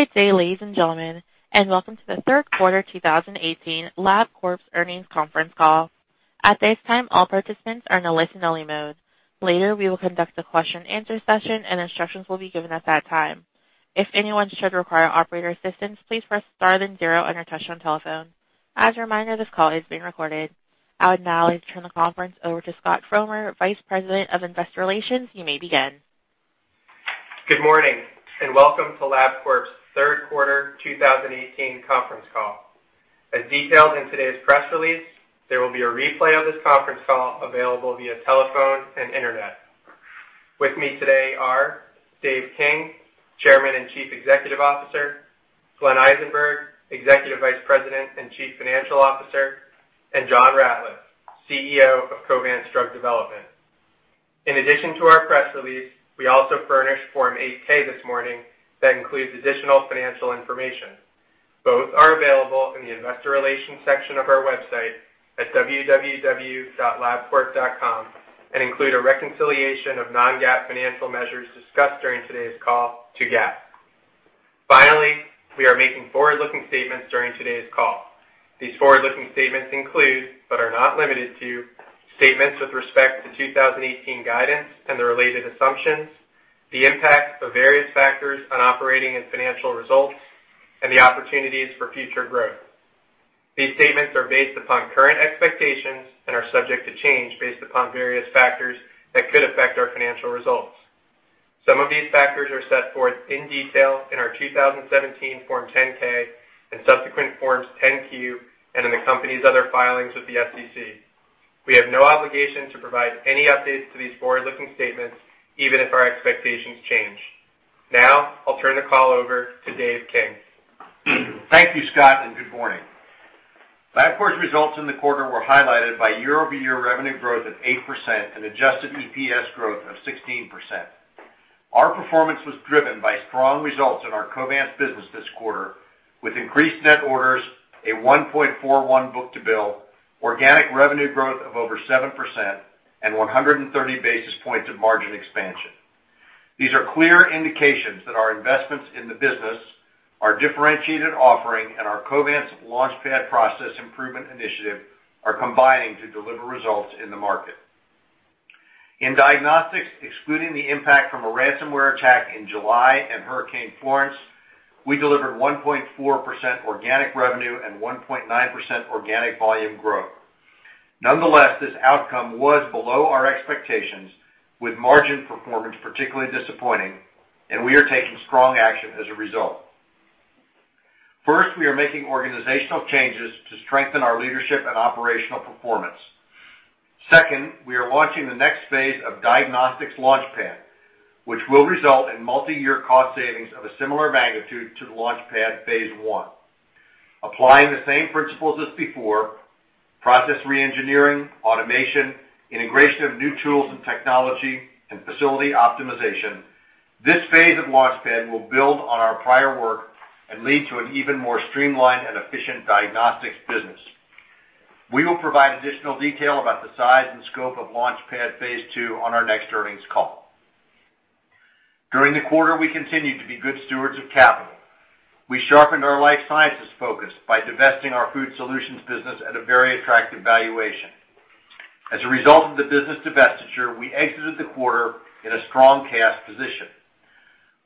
Good day, ladies and gentlemen, and welcome to the third quarter 2018 Labcorp earnings conference call. At this time, all participants are in a listen-only mode. Later, we will conduct a question-answer session, and instructions will be given at that time. If anyone should require operator assistance, please press star then zero on your touch-tone telephone. As a reminder, this call is being recorded. I would now like to turn the conference over to Scott Froehner, Vice President of Investor Relations. You may begin. Good morning, and welcome to Labcorp's third quarter 2018 conference call. As detailed in today's press release, there will be a replay of this conference call available via telephone and internet. With me today are Dave King, Chairman and Chief Executive Officer, Glenn Eisenberg, Executive Vice President and Chief Financial Officer, and John Ratliff, CEO of Covance Drug Development. In addition to our press release, we also furnished Form 8-K this morning that includes additional financial information. Both are available in the investor relations section of our website at www.labcorp.com and include a reconciliation of non-GAAP financial measures discussed during today's call to GAAP. Finally, we are making forward-looking statements during today's call. These forward-looking statements include, but are not limited to, statements with respect to 2018 guidance and the related assumptions, the impact of various factors on operating and financial results, and the opportunities for future growth. These statements are based upon current expectations and subject to change based upon various factors that could affect our financial results. Some of these factors are set forth in detail in our 2017 Form 10-K and subsequent Forms 10-Q and in the company's other filings with the SEC. We have no obligation to provide any updates to these forward-looking statements even if our expectations change. Now, I'll turn the call over to Dave King. Thank you, Scott, and good morning. Labcorp's results in the quarter were highlighted by year-over-year revenue growth of 8% and adjusted EPS growth of 16%. Our performance was driven by strong results in our Covance business this quarter, with increased net orders, a 1.41 book-to-bill, organic revenue growth of over 7%, and 130 basis points of margin expansion. These are clear indications that our investments in the business, our differentiated offering, and our Covance LaunchPad process improvement initiative are combining to deliver results in the market. In diagnostics, excluding the impact from a ransomware attack in July and Hurricane Florence, we delivered 1.4% organic revenue and 1.9% organic volume growth. Nonetheless, this outcome was below our expectations, with margin performance particularly disappointing, and we are taking strong action as a result. First, we are making organizational changes to strengthen our leadership and operational performance. Second, we are launching the next phase of Diagnostics LaunchPad, which will result in multi-year cost savings of a similar magnitude to the LaunchPad Phase One. Applying the same principles as before, process re-engineering, automation, integration of new tools and technology, and facility optimization, this phase of LaunchPad will build on our prior work and lead to an even more streamlined and efficient diagnostics business. We will provide additional detail about the size and scope of LaunchPad Phase Two on our next earnings call. During the quarter, we continued to be good stewards of capital. We sharpened our life sciences focus by divesting our food solutions business at a very attractive valuation. As a result of the business divestiture, we exited the quarter in a strong cash position.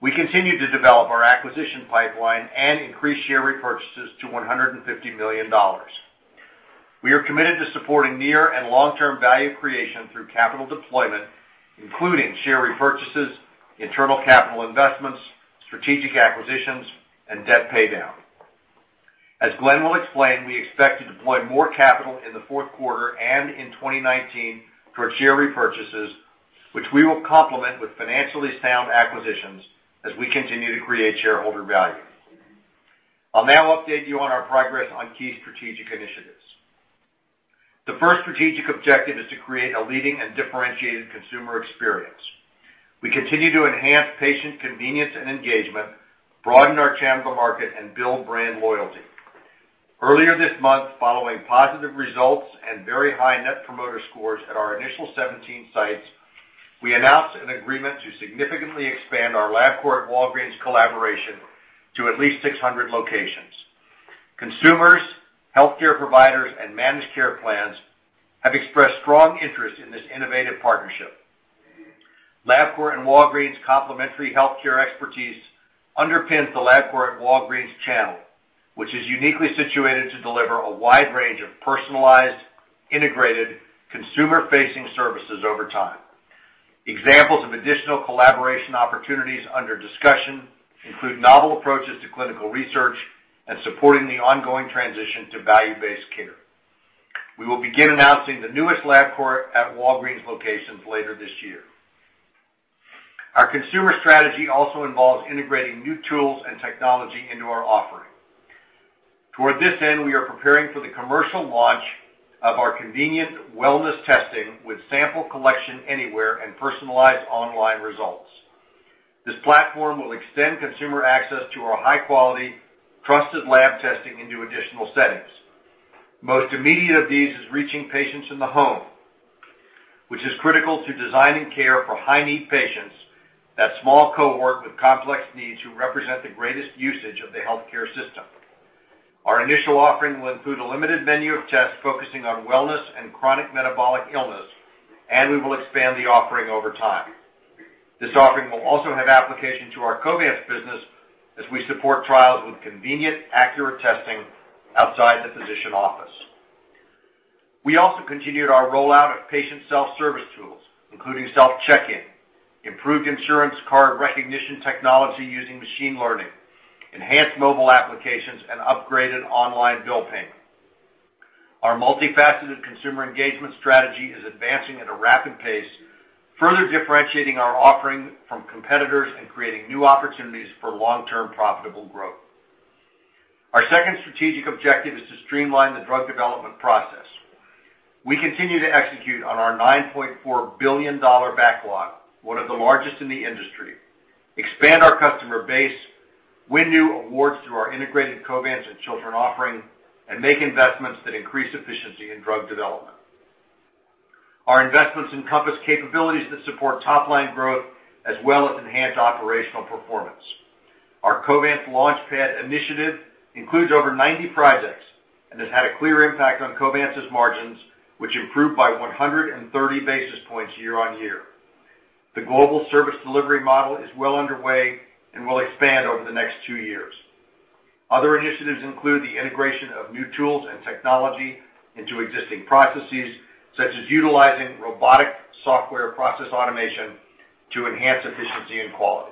We continued to develop our acquisition pipeline and increased share repurchases to $150 million. We are committed to supporting near and long-term value creation through capital deployment, including share repurchases, internal capital investments, strategic acquisitions, and debt paydown. As Glenn will explain, we expect to deploy more capital in the fourth quarter and in 2019 toward share repurchases, which we will complement with financially sound acquisitions as we continue to create shareholder value. I'll now update you on our progress on key strategic initiatives. The first strategic objective is to create a leading and differentiated consumer experience. We continue to enhance patient convenience and engagement, broaden our channel to market, and build brand loyalty. Earlier this month, following positive results and very high net promoter scores at our initial 17 sites, we announced an agreement to significantly expand our Labcorp-Walgreens collaboration to at least 600 locations. Consumers, healthcare providers, and managed care plans have expressed strong interest in this innovative partnership. Labcorp and Walgreens' complementary healthcare expertise underpins the Labcorp and Walgreens channel, which is uniquely situated to deliver a wide range of personalized, integrated, consumer-facing services over time. Examples of additional collaboration opportunities under discussion include novel approaches to clinical research and supporting the ongoing transition to value-based care. We will begin announcing the newest Labcorp at Walgreens locations later this year. Our consumer strategy also involves integrating new tools and technology into our offering. Toward this end, we are preparing for the commercial launch of our convenient wellness testing with sample collection anywhere and personalized online results. This platform will extend consumer access to our high-quality, trusted lab testing into additional settings. Most immediate of these is reaching patients in the home, which is critical to design and care for high-need patients, that small cohort with complex needs who represent the greatest usage of the healthcare system. Our initial offering will include a limited menu of tests focusing on wellness and chronic metabolic illness, and we will expand the offering over time. This offering will also have application to our Covance business as we support trials with convenient, accurate testing outside the physician office. We also continued our rollout of patient self-service tools, including self-check-in, improved insurance card recognition technology using machine learning, enhanced mobile applications, and upgraded online bill payment. Our multifaceted consumer engagement strategy is advancing at a rapid pace, further differentiating our offering from competitors and creating new opportunities for long-term profitable growth. Our second strategic objective is to streamline the drug development process. We continue to execute on our $9.4 billion backlog, one of the largest in the industry, expand our customer base, win new awards through our integrated Covance and Chiltern offering, and make investments that increase efficiency in drug development. Our investments encompass capabilities that support top-line growth as well as enhanced operational performance. Our Covance LaunchPad initiative includes over 90 projects and has had a clear impact on Covance's margins, which improved by 130 basis points year-on-year. The global service delivery model is well underway and will expand over the next two years. Other initiatives include the integration of new tools and technology into existing processes, such as utilizing robotic software process automation to enhance efficiency and quality.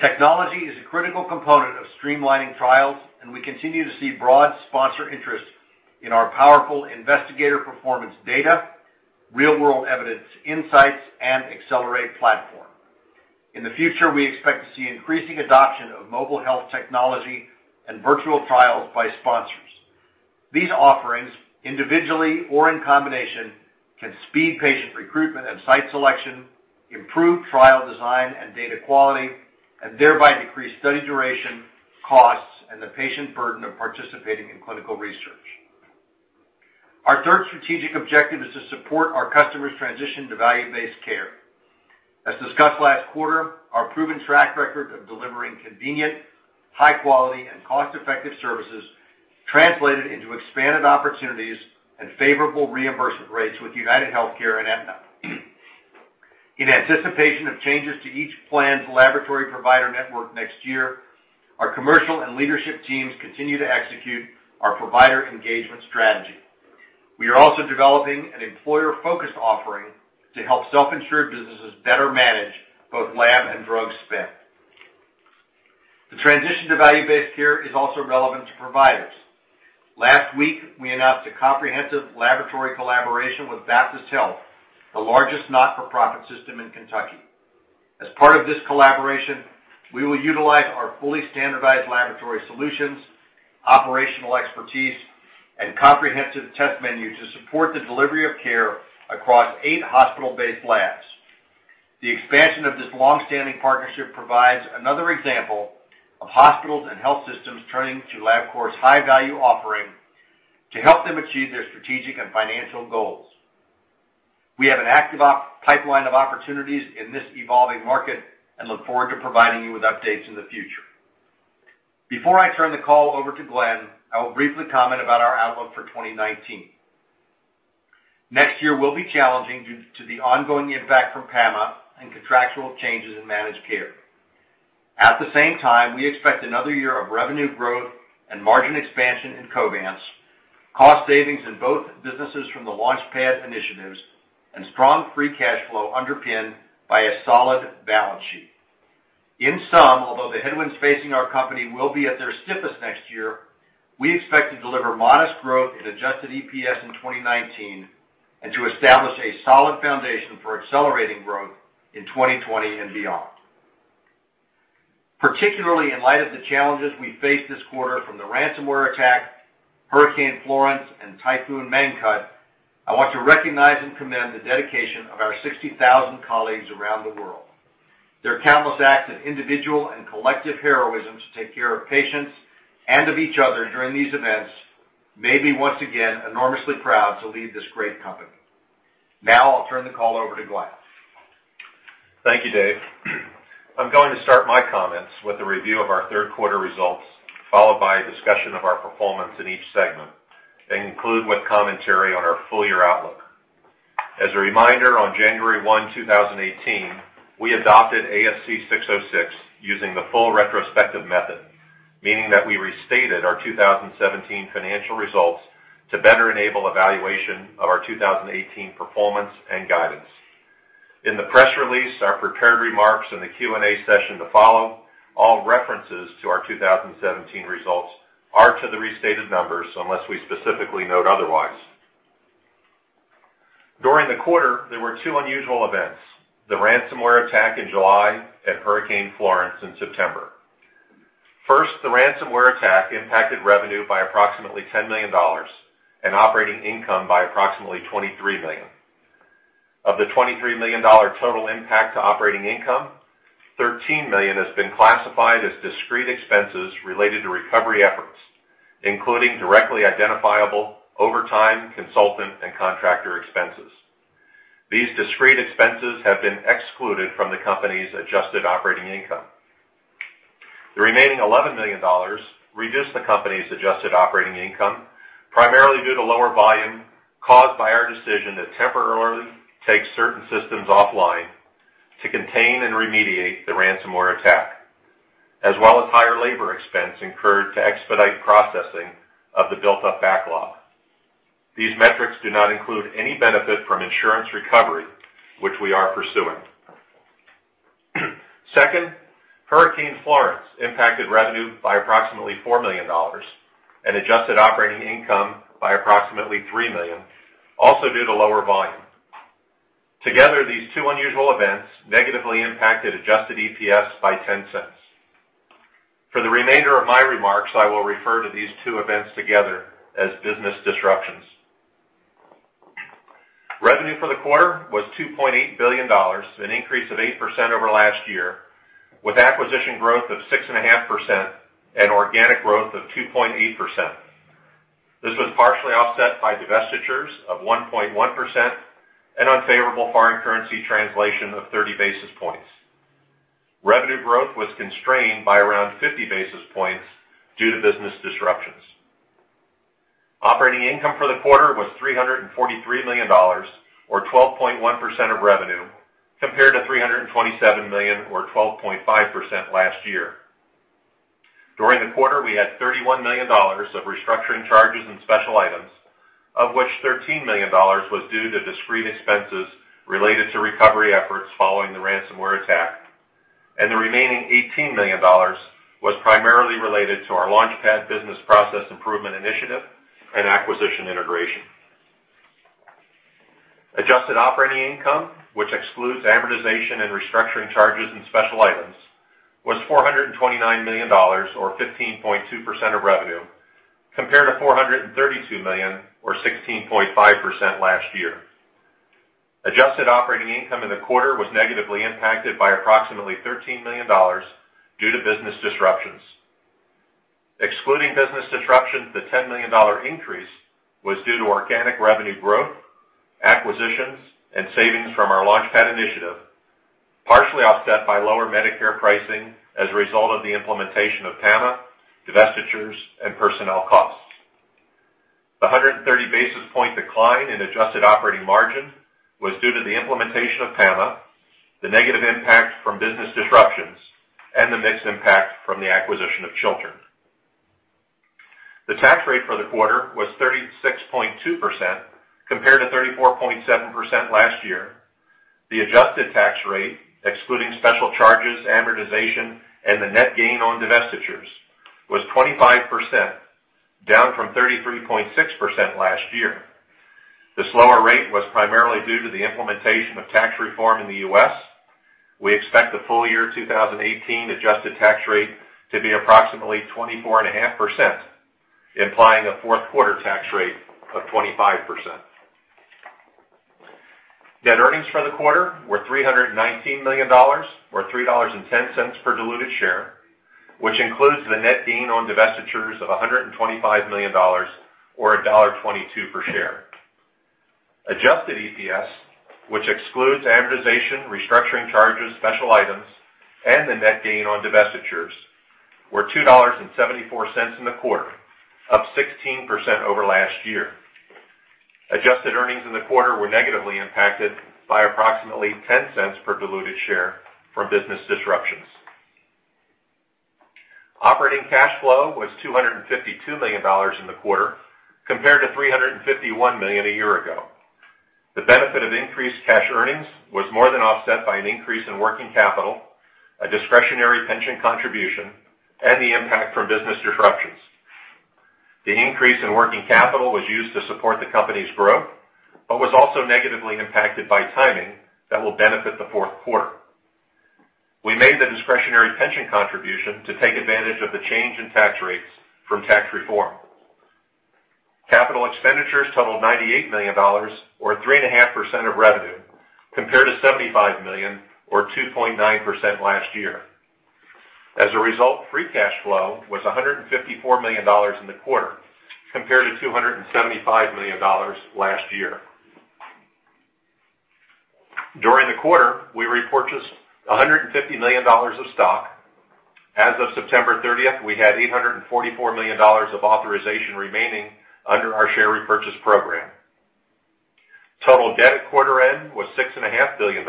Technology is a critical component of streamlining trials, and we continue to see broad sponsor interest in our powerful investigator performance data, real-world evidence insights, and Xcellerate platform. In the future, we expect to see increasing adoption of mobile health technology and virtual trials by sponsors. These offerings, individually or in combination, can speed patient recruitment and site selection, improve trial design and data quality, and thereby decrease study duration, costs, and the patient burden of participating in clinical research. Our third strategic objective is to support our customers' transition to value-based care. As discussed last quarter, our proven track record of delivering convenient, high quality, and cost-effective services translated into expanded opportunities and favorable reimbursement rates with UnitedHealthcare and Aetna. In anticipation of changes to each plan's laboratory provider network next year, our commercial and leadership teams continue to execute our provider engagement strategy. We are also developing an employer-focused offering to help self-insured businesses better manage both lab and drug spend. The transition to value-based care is also relevant to providers. Last week, we announced a comprehensive laboratory collaboration with Baptist Health, the largest not-for-profit system in Kentucky. As part of this collaboration, we will utilize our fully standardized laboratory solutions, operational expertise, and comprehensive test menu to support the delivery of care across eight hospital-based labs. The expansion of this long-standing partnership provides another example of hospitals and health systems turning to Labcorp's high-value offering to help them achieve their strategic and financial goals. We have an active pipeline of opportunities in this evolving market and look forward to providing you with updates in the future. Before I turn the call over to Glenn, I will briefly comment about our outlook for 2019. Next year will be challenging due to the ongoing impact from PAMA and contractual changes in managed care. At the same time, we expect another year of revenue growth and margin expansion in Covance, cost savings in both businesses from the LaunchPad initiatives, and strong free cash flow underpinned by a solid balance sheet. In sum, although the headwinds facing our company will be at their stiffest next year, we expect to deliver modest growth in adjusted EPS in 2019 and to establish a solid foundation for accelerating growth in 2020 and beyond. Particularly in light of the challenges we faced this quarter from the ransomware attack, Hurricane Florence, and Typhoon Mangkhut, I want to recognize and commend the dedication of our 60,000 colleagues around the world. Their countless acts of individual and collective heroism to take care of patients and of each other during these events made me once again enormously proud to lead this great company. Now I'll turn the call over to Glenn. Thank you, Dave. I'm going to start my comments with a review of our third quarter results, followed by a discussion of our performance in each segment, and conclude with commentary on our full-year outlook. As a reminder, on January 1, 2018, we adopted ASC 606 using the full retrospective method, meaning that we restated our 2017 financial results to better enable evaluation of our 2018 performance and guidance. In the press release, our prepared remarks, and the Q&A session to follow, all references to our 2017 results are to the restated numbers unless we specifically note otherwise. During the quarter, there were two unusual events, the ransomware attack in July and Hurricane Florence in September. First, the ransomware attack impacted revenue by approximately $10 million and operating income by approximately $23 million. Of the $23 million total impact to operating income, $13 million has been classified as discrete expenses related to recovery efforts, including directly identifiable overtime, consultant, and contractor expenses. These discrete expenses have been excluded from the company's adjusted operating income. The remaining $11 million reduced the company's adjusted operating income, primarily due to lower volume caused by our decision to temporarily take certain systems offline to contain and remediate the ransomware attack, as well as higher labor expense incurred to expedite processing of the built-up backlog. These metrics do not include any benefit from insurance recovery, which we are pursuing. Second, Hurricane Florence impacted revenue by approximately $4 million and adjusted operating income by approximately $3 million, also due to lower volume. Together, these two unusual events negatively impacted adjusted EPS by $0.10. For the remainder of my remarks, I will refer to these two events together as business disruptions. Revenue for the quarter was $2.8 billion, an increase of 8% over last year, with acquisition growth of 6.5% and organic growth of 2.8%. This was partially offset by divestitures of 1.1% and unfavorable foreign currency translation of 30 basis points. Revenue growth was constrained by around 50 basis points due to business disruptions. Operating income for the quarter was $343 million, or 12.1% of revenue, compared to $327 million, or 12.5%, last year. During the quarter, we had $31 million of restructuring charges and special items, of which $13 million was due to discrete expenses related to recovery efforts following the ransomware attack, and the remaining $18 million was primarily related to our LaunchPad business process improvement initiative and acquisition integration. Adjusted operating income, which excludes amortization and restructuring charges and special items, was $429 million, or 15.2% of revenue, compared to $432 million, or 16.5%, last year. Adjusted operating income in the quarter was negatively impacted by approximately $13 million due to business disruptions. Excluding business disruptions, the $10 million increase was due to organic revenue growth, acquisitions, and savings from our LaunchPad initiative, partially offset by lower Medicare pricing as a result of the implementation of PAMA, divestitures, and personnel costs. The 130 basis point decline in adjusted operating margin was due to the implementation of PAMA, the negative impact from business disruptions, and the mixed impact from the acquisition of Chiltern. The tax rate for the quarter was 36.2%, compared to 34.7% last year. The adjusted tax rate, excluding special charges, amortization, and the net gain on divestitures, was 25%, down from 33.6% last year. The slower rate was primarily due to the implementation of tax reform in the U.S. We expect the full year 2018 adjusted tax rate to be approximately 24.5%, implying a fourth quarter tax rate of 25%. Net earnings for the quarter were $319 million, or $3.10 per diluted share, which includes the net gain on divestitures of $125 million, or $1.22 per share. Adjusted EPS, which excludes amortization, restructuring charges, special items, and the net gain on divestitures, were $2.74 in the quarter, up 16% over last year. Adjusted earnings in the quarter were negatively impacted by approximately $0.10 per diluted share from business disruptions. Operating cash flow was $252 million in the quarter, compared to $351 million a year ago. The benefit of increased cash earnings was more than offset by an increase in working capital, a discretionary pension contribution, and the impact from business disruptions. The increase in working capital was used to support the company's growth, but was also negatively impacted by timing that will benefit the fourth quarter. We made the discretionary pension contribution to take advantage of the change in tax rates from tax reform. Capital expenditures totaled $98 million, or 3.5% of revenue, compared to $75 million, or 2.9%, last year. As a result, free cash flow was $154 million in the quarter, compared to $275 million last year. During the quarter, we repurchased $150 million of stock. As of September 30th, we had $844 million of authorization remaining under our share repurchase program. Total debt at quarter end was $6.5 billion,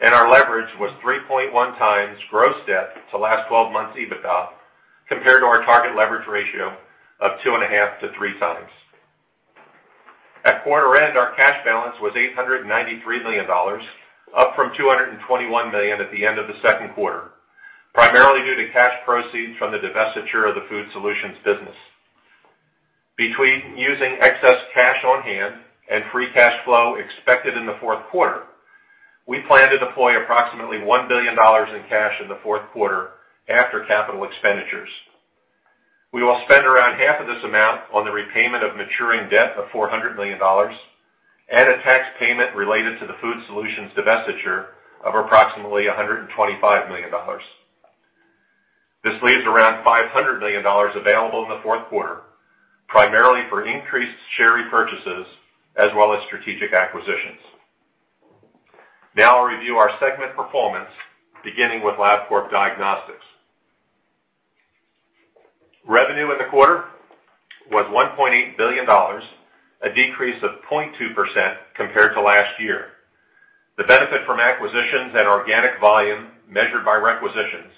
and our leverage was 3.1 times gross debt to last 12 months EBITDA, compared to our target leverage ratio of two and a half to three times. At quarter end, our cash balance was $893 million, up from $221 million at the end of the second quarter, primarily due to cash proceeds from the divestiture of the Food Solutions business. Between using excess cash on hand and free cash flow expected in the fourth quarter, we plan to deploy approximately $1 billion in cash in the fourth quarter after capital expenditures. We will spend around half of this amount on the repayment of maturing debt of $400 million. A tax payment related to the Food Solutions divestiture of approximately $125 million. This leaves around $500 million available in the fourth quarter, primarily for increased share repurchases as well as strategic acquisitions. Now I'll review our segment performance, beginning with Labcorp Diagnostics. Revenue in the quarter was $1.8 billion, a decrease of 0.2% compared to last year. The benefit from acquisitions and organic volume measured by requisitions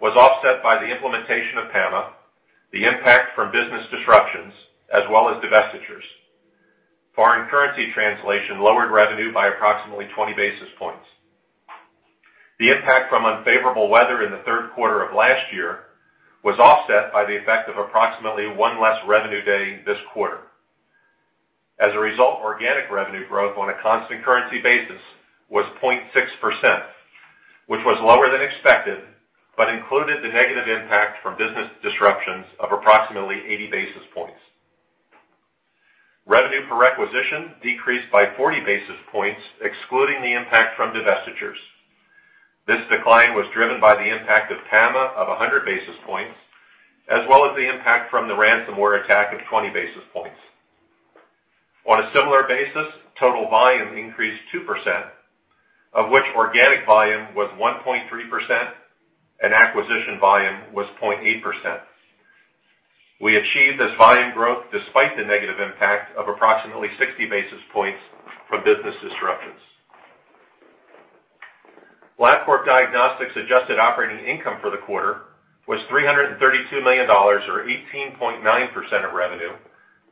was offset by the implementation of PAMA, the impact from business disruptions, as well as divestitures. Foreign currency translation lowered revenue by approximately 20 basis points. The impact from unfavorable weather in the third quarter of last year was offset by the effect of approximately one less revenue day this quarter. As a result, organic revenue growth on a constant currency basis was 0.6%, which was lower than expected, but included the negative impact from business disruptions of approximately 80 basis points. Revenue per requisition decreased by 40 basis points, excluding the impact from divestitures. This decline was driven by the impact of PAMA of 100 basis points, as well as the impact from the ransomware attack of 20 basis points. On a similar basis, total volume increased 2%, of which organic volume was 1.3% and acquisition volume was 0.8%. We achieved this volume growth despite the negative impact of approximately 60 basis points from business disruptions. Labcorp Diagnostics adjusted operating income for the quarter was $332 million, or 18.9% of revenue,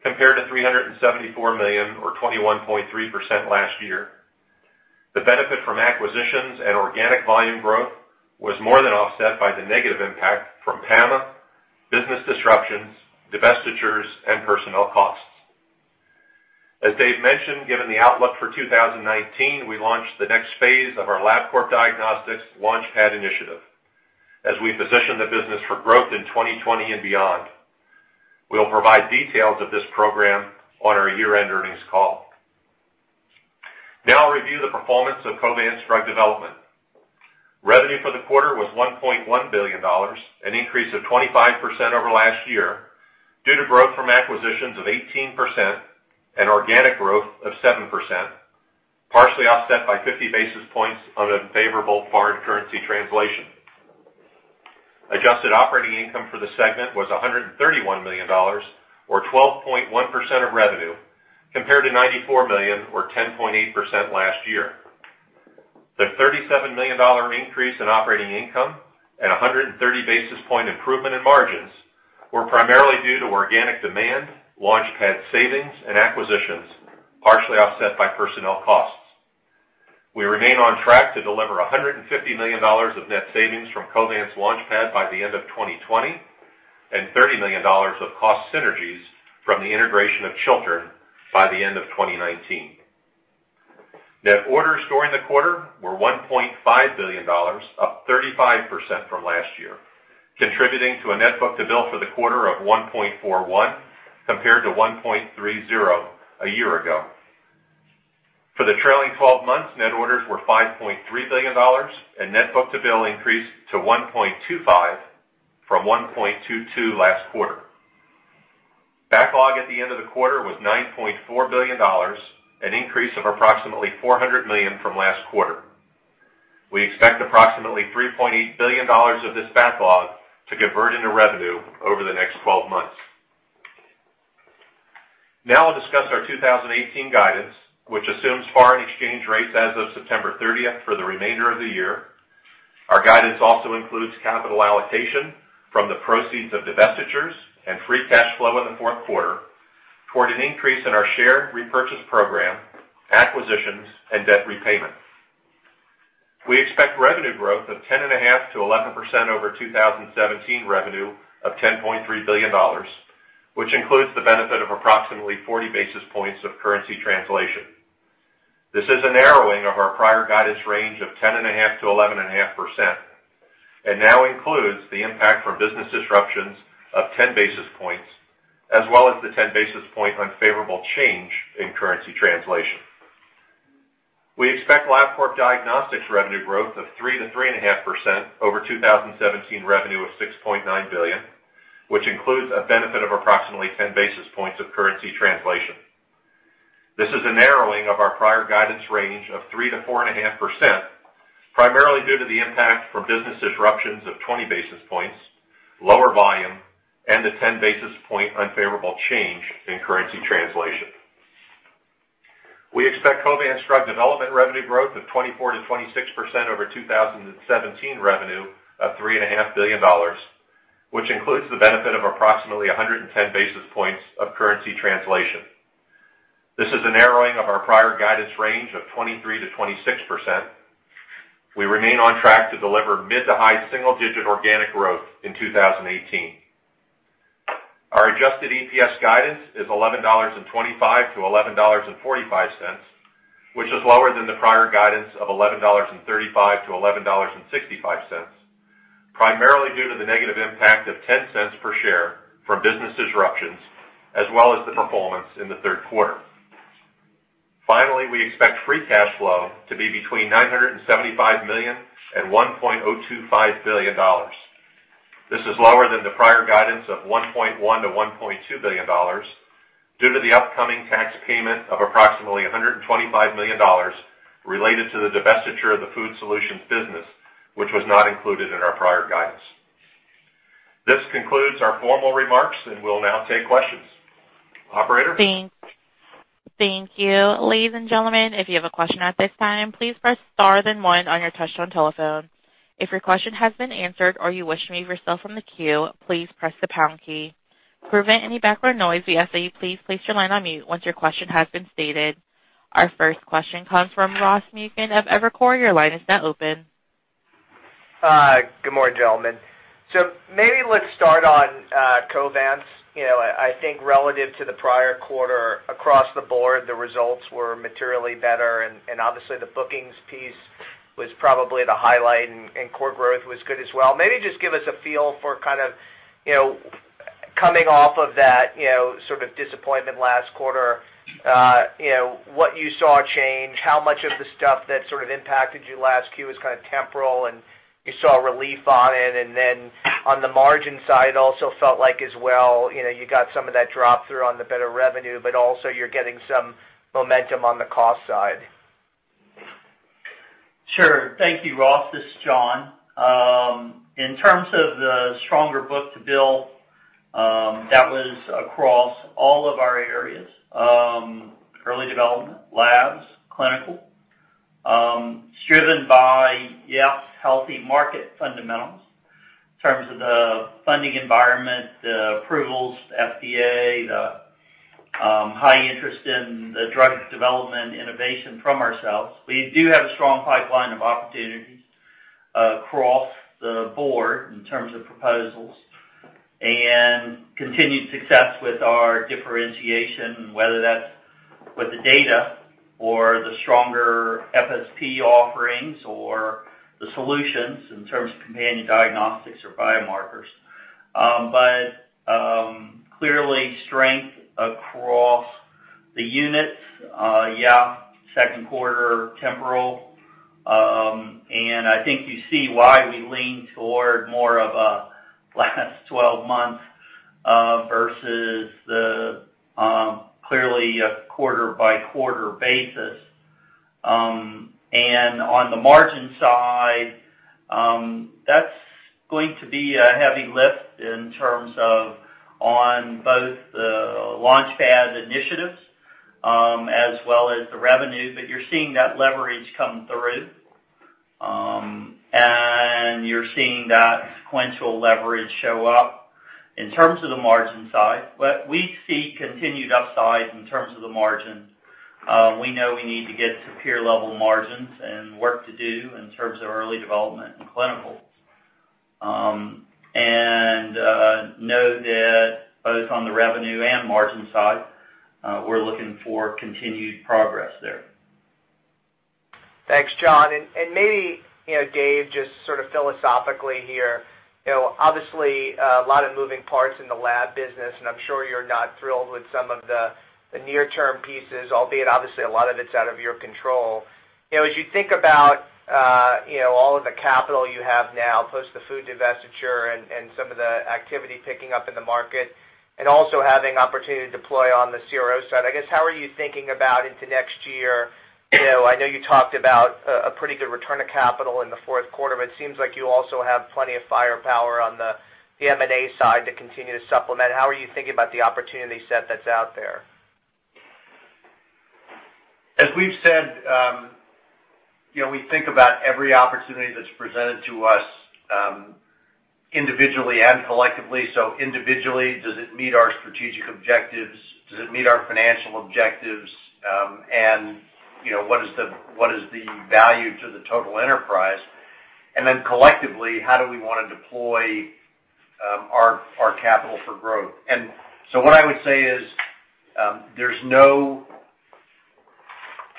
compared to $374 million, or 21.3% last year. The benefit from acquisitions and organic volume growth was more than offset by the negative impact from PAMA, business disruptions, divestitures, and personnel costs. As Dave mentioned, given the outlook for 2019, we launched the next phase of our Labcorp Diagnostics LaunchPad initiative as we position the business for growth in 2020 and beyond. We'll provide details of this program on our year-end earnings call. I'll review the performance of Covance Drug Development. Revenue for the quarter was $1.1 billion, an increase of 25% over last year due to growth from acquisitions of 18% and organic growth of 7%, partially offset by 50 basis points of unfavorable foreign currency translation. Adjusted operating income for the segment was $131 million, or 12.1% of revenue, compared to $94 million, or 10.8% last year. The $37 million increase in operating income and 130 basis point improvement in margins were primarily due to organic demand, LaunchPad savings, and acquisitions, partially offset by personnel costs. We remain on track to deliver $150 million of net savings from Covance LaunchPad by the end of 2020 and $30 million of cost synergies from the integration of Chiltern by the end of 2019. Net orders during the quarter were $1.5 billion, up 35% from last year, contributing to a net book-to-bill for the quarter of 1.41, compared to 1.30 a year ago. For the trailing 12 months, net orders were $5.3 billion and net book-to-bill increased to 1.25 from 1.22 last quarter. Backlog at the end of the quarter was $9.4 billion, an increase of approximately $400 million from last quarter. We expect approximately $3.8 billion of this backlog to convert into revenue over the next 12 months. I'll discuss our 2018 guidance, which assumes foreign exchange rates as of September 30th for the remainder of the year. Our guidance also includes capital allocation from the proceeds of divestitures and free cash flow in the fourth quarter toward an increase in our share repurchase program, acquisitions, and debt repayment. We expect revenue growth of 10.5%-11% over 2017 revenue of $10.3 billion, which includes the benefit of approximately 40 basis points of currency translation. This is a narrowing of our prior guidance range of 10.5%-11.5%. Now includes the impact from business disruptions of 10 basis points, as well as the 10 basis point unfavorable change in currency translation. We expect Labcorp Diagnostics revenue growth of 3%-3.5% over 2017 revenue of $6.9 billion, which includes a benefit of approximately 10 basis points of currency translation. This is a narrowing of our prior guidance range of 3%-4.5%, primarily due to the impact from business disruptions of 20 basis points, lower volume, and the 10 basis point unfavorable change in currency translation. We expect Covance Drug Development revenue growth of 24%-26% over 2017 revenue of $3.5 billion, which includes the benefit of approximately 110 basis points of currency translation. This is a narrowing of our prior guidance range of 23%-26%. We remain on track to deliver mid to high single digit organic growth in 2018. Our adjusted EPS guidance is $11.25-$11.45, which is lower than the prior guidance of $11.35-$11.65. Primarily due to the negative impact of $0.10 per share from business disruptions, as well as the performance in the third quarter. Finally, we expect free cash flow to be between $975 million and $1.025 billion. This is lower than the prior guidance of $1.1 billion-$1.2 billion due to the upcoming tax payment of approximately $125 million related to the divestiture of the Covance Food Solutions business, which was not included in our prior guidance. This concludes our formal remarks, and we will now take questions. Operator? Thank you. Ladies and gentlemen, if you have a question at this time, please press star then one on your touchtone telephone. If your question has been answered or you wish to remove yourself from the queue, please press the pound key. To prevent any background noise, we ask that you please place your line on mute once your question has been stated. Our first question comes from Ross Muken of Evercore. Your line is now open. Good morning, gentlemen. Maybe let's start on Covance. I think relative to the prior quarter across the board, the results were materially better, and obviously the bookings piece was probably the highlight, and core growth was good as well. Maybe just give us a feel for coming off of that sort of disappointment last quarter, what you saw change, how much of the stuff that sort of impacted you last Q is kind of temporal and you saw relief on it. On the margin side, also felt like as well you got some of that drop through on the better revenue, but also you are getting some momentum on the cost side. Sure. Thank you, Ross. This is John. In terms of the stronger book-to-bill, that was across all of our areas, early development, labs, clinical, driven by, yes, healthy market fundamentals in terms of the funding environment, the approvals, FDA, the high interest in the drug development innovation from ourselves. We do have a strong pipeline of opportunities across the board in terms of proposals and continued success with our differentiation, whether that's with the data or the stronger FSP offerings or the solutions in terms of companion diagnostics or biomarkers. Clearly strength across the units. Yeah, second quarter temporal. I think you see why we lean toward more of a last 12 months versus the clearly a quarter-by-quarter basis. On the margin side, that's going to be a heavy lift in terms of on both the LaunchPad initiatives as well as the revenue. You're seeing that leverage come through, and you're seeing that sequential leverage show up in terms of the margin side. We see continued upside in terms of the margin. We know we need to get to peer-level margins and work to do in terms of early development and clinical. Know that both on the revenue and margin side, we're looking for continued progress there. Thanks, John. Maybe Dave, just sort of philosophically here, obviously a lot of moving parts in the lab business, and I'm sure you're not thrilled with some of the near-term pieces, albeit obviously a lot of it's out of your control. As you think about all of the capital you have now, post the food divestiture and some of the activity picking up in the market and also having opportunity to deploy on the CRO side, I guess how are you thinking about into next year? I know you talked about a pretty good return of capital in the fourth quarter, but it seems like you also have plenty of firepower on the M&A side to continue to supplement. How are you thinking about the opportunity set that's out there? As we've said, we think about every opportunity that's presented to us individually and collectively. Individually, does it meet our strategic objectives? Does it meet our financial objectives? What is the value to the total enterprise? Then collectively, how do we want to deploy our capital for growth? What I would say is there's no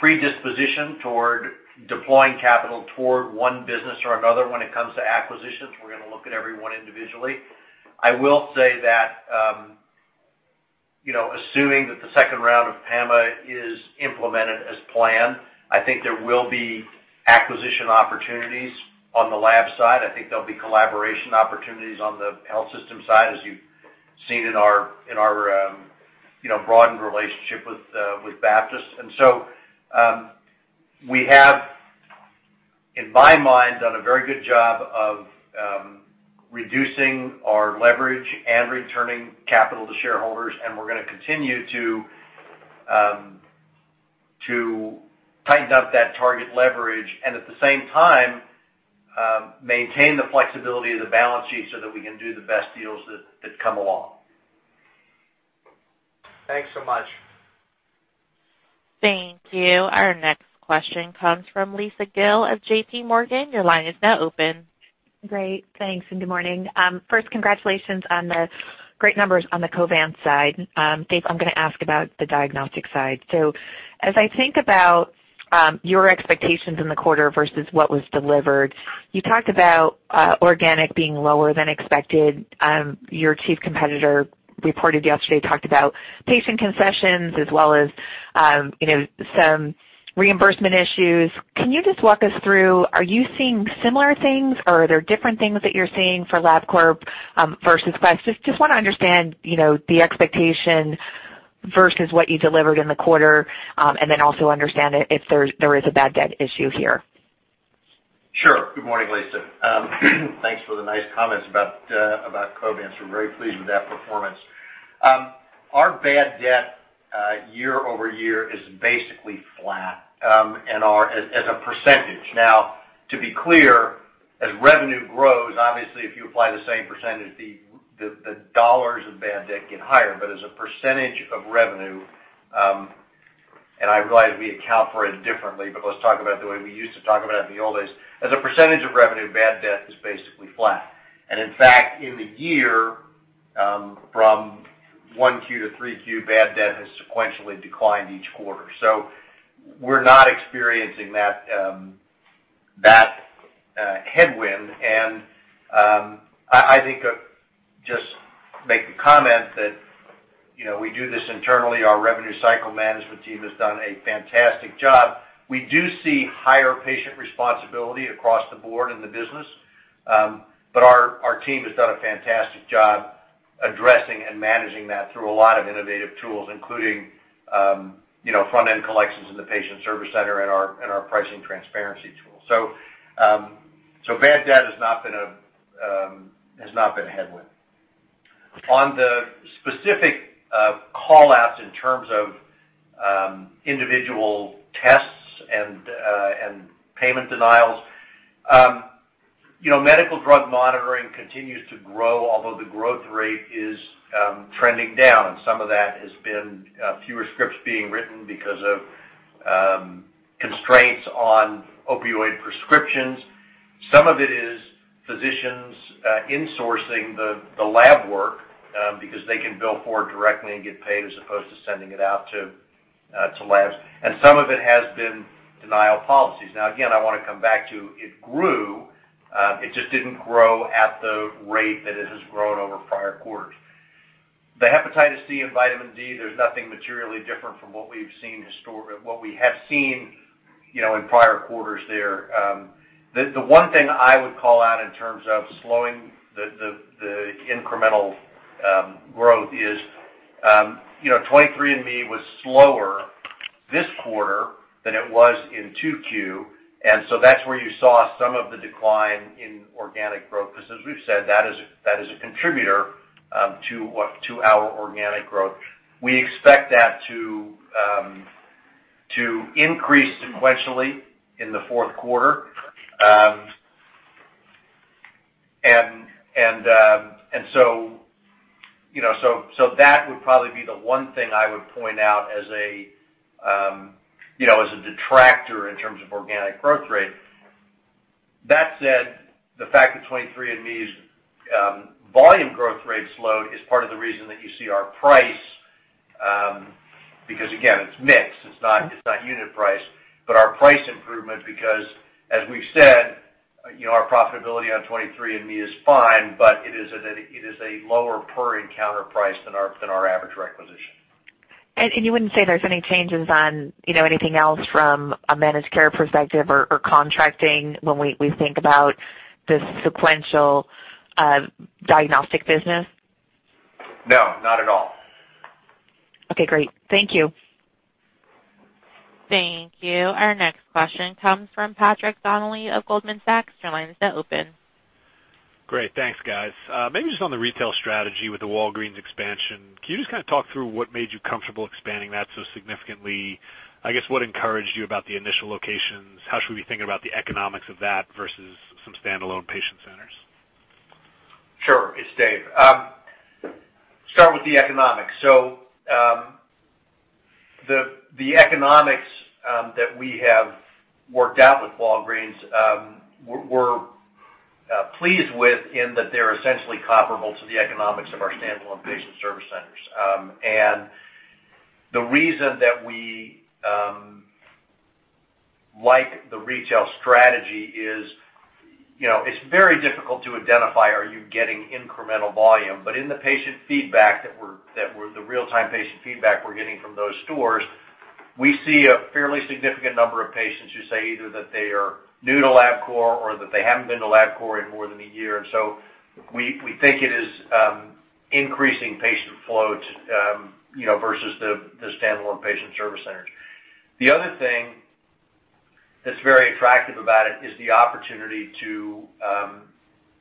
predisposition toward deploying capital toward one business or another when it comes to acquisitions. We're going to look at every one individually. I will say that assuming that the second round of PAMA is implemented as planned, I think there will be acquisition opportunities on the lab side. I think there'll be collaboration opportunities on the health system side, as you've seen in our broadened relationship with Baptist. We have, in my mind, done a very good job of reducing our leverage and returning capital to shareholders, and we're going to continue to tighten up that target leverage and at the same time maintain the flexibility of the balance sheet so that we can do the best deals that come along. Thanks so much. Thank you. Our next question comes from Lisa Gill of JPMorgan. Your line is now open. Great. Thanks, and good morning. First, congratulations on the great numbers on the Covance side. Dave, I'm going to ask about the diagnostic side. As I think about your expectations in the quarter versus what was delivered. You talked about organic being lower than expected. Your chief competitor reported yesterday, talked about patient concessions as well as some reimbursement issues. Can you just walk us through, are you seeing similar things or are there different things that you're seeing for Labcorp versus Quest? Just want to understand, the expectation versus what you delivered in the quarter, and then also understand if there is a bad debt issue here. Sure. Good morning, Lisa. Thanks for the nice comments about Covance. We're very pleased with that performance. Our bad debt year-over-year is basically flat as a percentage. Now, to be clear, as revenue grows, obviously, if you apply the same percentage, the dollars of bad debt get higher. But as a percentage of revenue, and I realize we account for it differently, but let's talk about the way we used to talk about it in the old days. As a percentage of revenue, bad debt is basically flat, and in fact, in the year, from 1Q to 3Q, bad debt has sequentially declined each quarter. We're not experiencing that headwind and I think, just make the comment that we do this internally. Our revenue cycle management team has done a fantastic job. We do see higher patient responsibility across the board in the business. Our team has done a fantastic job addressing and managing that through a lot of innovative tools, including front-end collections in the patient service center and our pricing transparency tool. Bad debt has not been a headwind. On the specific call-outs in terms of individual tests and payment denials. Medical drug monitoring continues to grow, although the growth rate is trending down, and some of that has been fewer scripts being written because of constraints on opioid prescriptions. Some of it is physicians insourcing the lab work because they can bill for it directly and get paid as opposed to sending it out to labs. Some of it has been denial policies. Now, again, I want to come back to, it grew, it just didn't grow at the rate that it has grown over prior quarters. The hepatitis C and vitamin D, there's nothing materially different from what we have seen in prior quarters there. The one thing I would call out in terms of slowing the incremental growth is 23andMe was slower this quarter than it was in 2Q. That's where you saw some of the decline in organic growth. As we've said, that is a contributor to our organic growth. We expect that to increase sequentially in the fourth quarter. That would probably be the one thing I would point out as a detractor in terms of organic growth rate. That said, the fact that 23andMe's volume growth rate slowed is part of the reason that you see our price. Again, it's mixed. It's not unit price, but our price improvement because, as we've said, our profitability on 23andMe is fine, but it is a lower per encounter price than our average requisition. You wouldn't say there's any changes on anything else from a managed care perspective or contracting when we think about the sequential diagnostic business? No, not at all. Okay, great. Thank you. Thank you. Our next question comes from Patrick Donnelly of Goldman Sachs. Your line is now open. Great. Thanks, guys. Maybe just on the retail strategy with the Walgreens expansion, can you just talk through what made you comfortable expanding that so significantly? I guess what encouraged you about the initial locations? How should we be thinking about the economics of that versus some standalone patient centers? Sure. It's Dave. Start with the economics. The economics that we have worked out with Walgreens, we're pleased with in that they're essentially comparable to the economics of our standalone patient service centers. The reason that we like the retail strategy is, it's very difficult to identify, are you getting incremental volume? In the real-time patient feedback we're getting from those stores, we see a fairly significant number of patients who say either that they are new to Labcorp or that they haven't been to Labcorp in more than a year. We think it is increasing patient flows versus the standalone patient service centers. The other thing that's very attractive about it is the opportunity to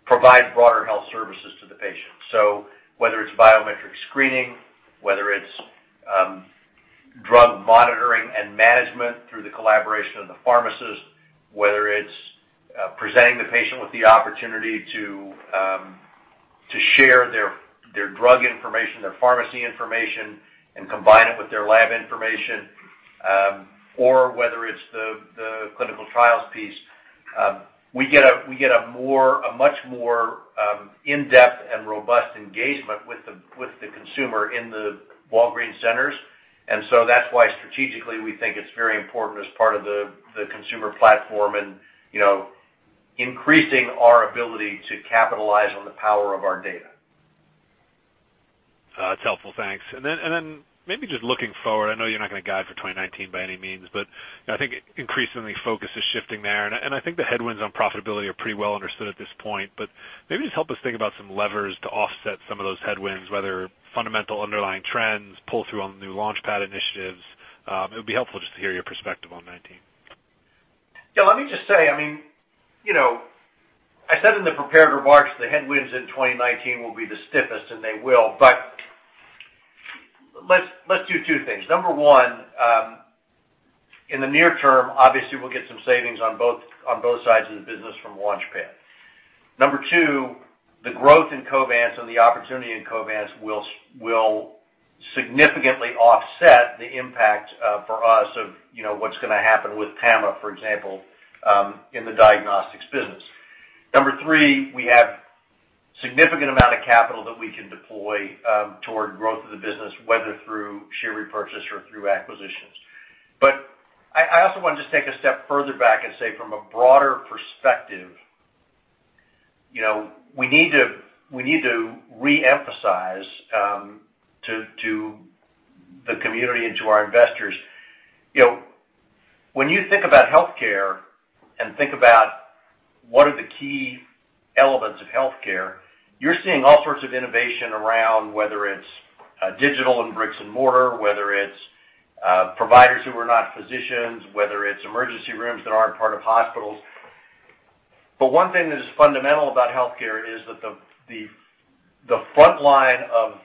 provide broader health services to the patient. Whether it's biometric screening, whether it's drug monitoring and management through the collaboration of the pharmacist, whether it's presenting the patient with the opportunity to share their drug information, their pharmacy information, and combine it with their lab information, or whether it's the trials piece. We get a much more in-depth and robust engagement with the consumer in the Walgreens centers. That's why strategically, we think it's very important as part of the consumer platform and increasing our ability to capitalize on the power of our data. That's helpful. Thanks. Maybe just looking forward, I know you're not going to guide for 2019 by any means, but I think increasingly focus is shifting there, and I think the headwinds on profitability are pretty well understood at this point. Maybe just help us think about some levers to offset some of those headwinds, whether fundamental underlying trends, pull through on the new LaunchPad initiatives. It would be helpful just to hear your perspective on 2019. Yeah. Let me just say, I said in the prepared remarks, the headwinds in 2019 will be the stiffest, and they will. Let's do two things. Number one, in the near term, obviously, we'll get some savings on both sides of the business from LaunchPad. Number two, the growth in Covance and the opportunity in Covance will significantly offset the impact for us of what's going to happen with PAMA, for example, in the diagnostics business. Number three, we have significant amount of capital that we can deploy toward growth of the business, whether through share repurchase or through acquisitions. I also want to just take a step further back and say from a broader perspective, we need to re-emphasize, to the community and to our investors. When you think about healthcare and think about what are the key elements of healthcare, you're seeing all sorts of innovation around, whether it's digital and bricks and mortar, whether it's providers who are not physicians, whether it's emergency rooms that aren't part of hospitals. One thing that is fundamental about healthcare is that the frontline of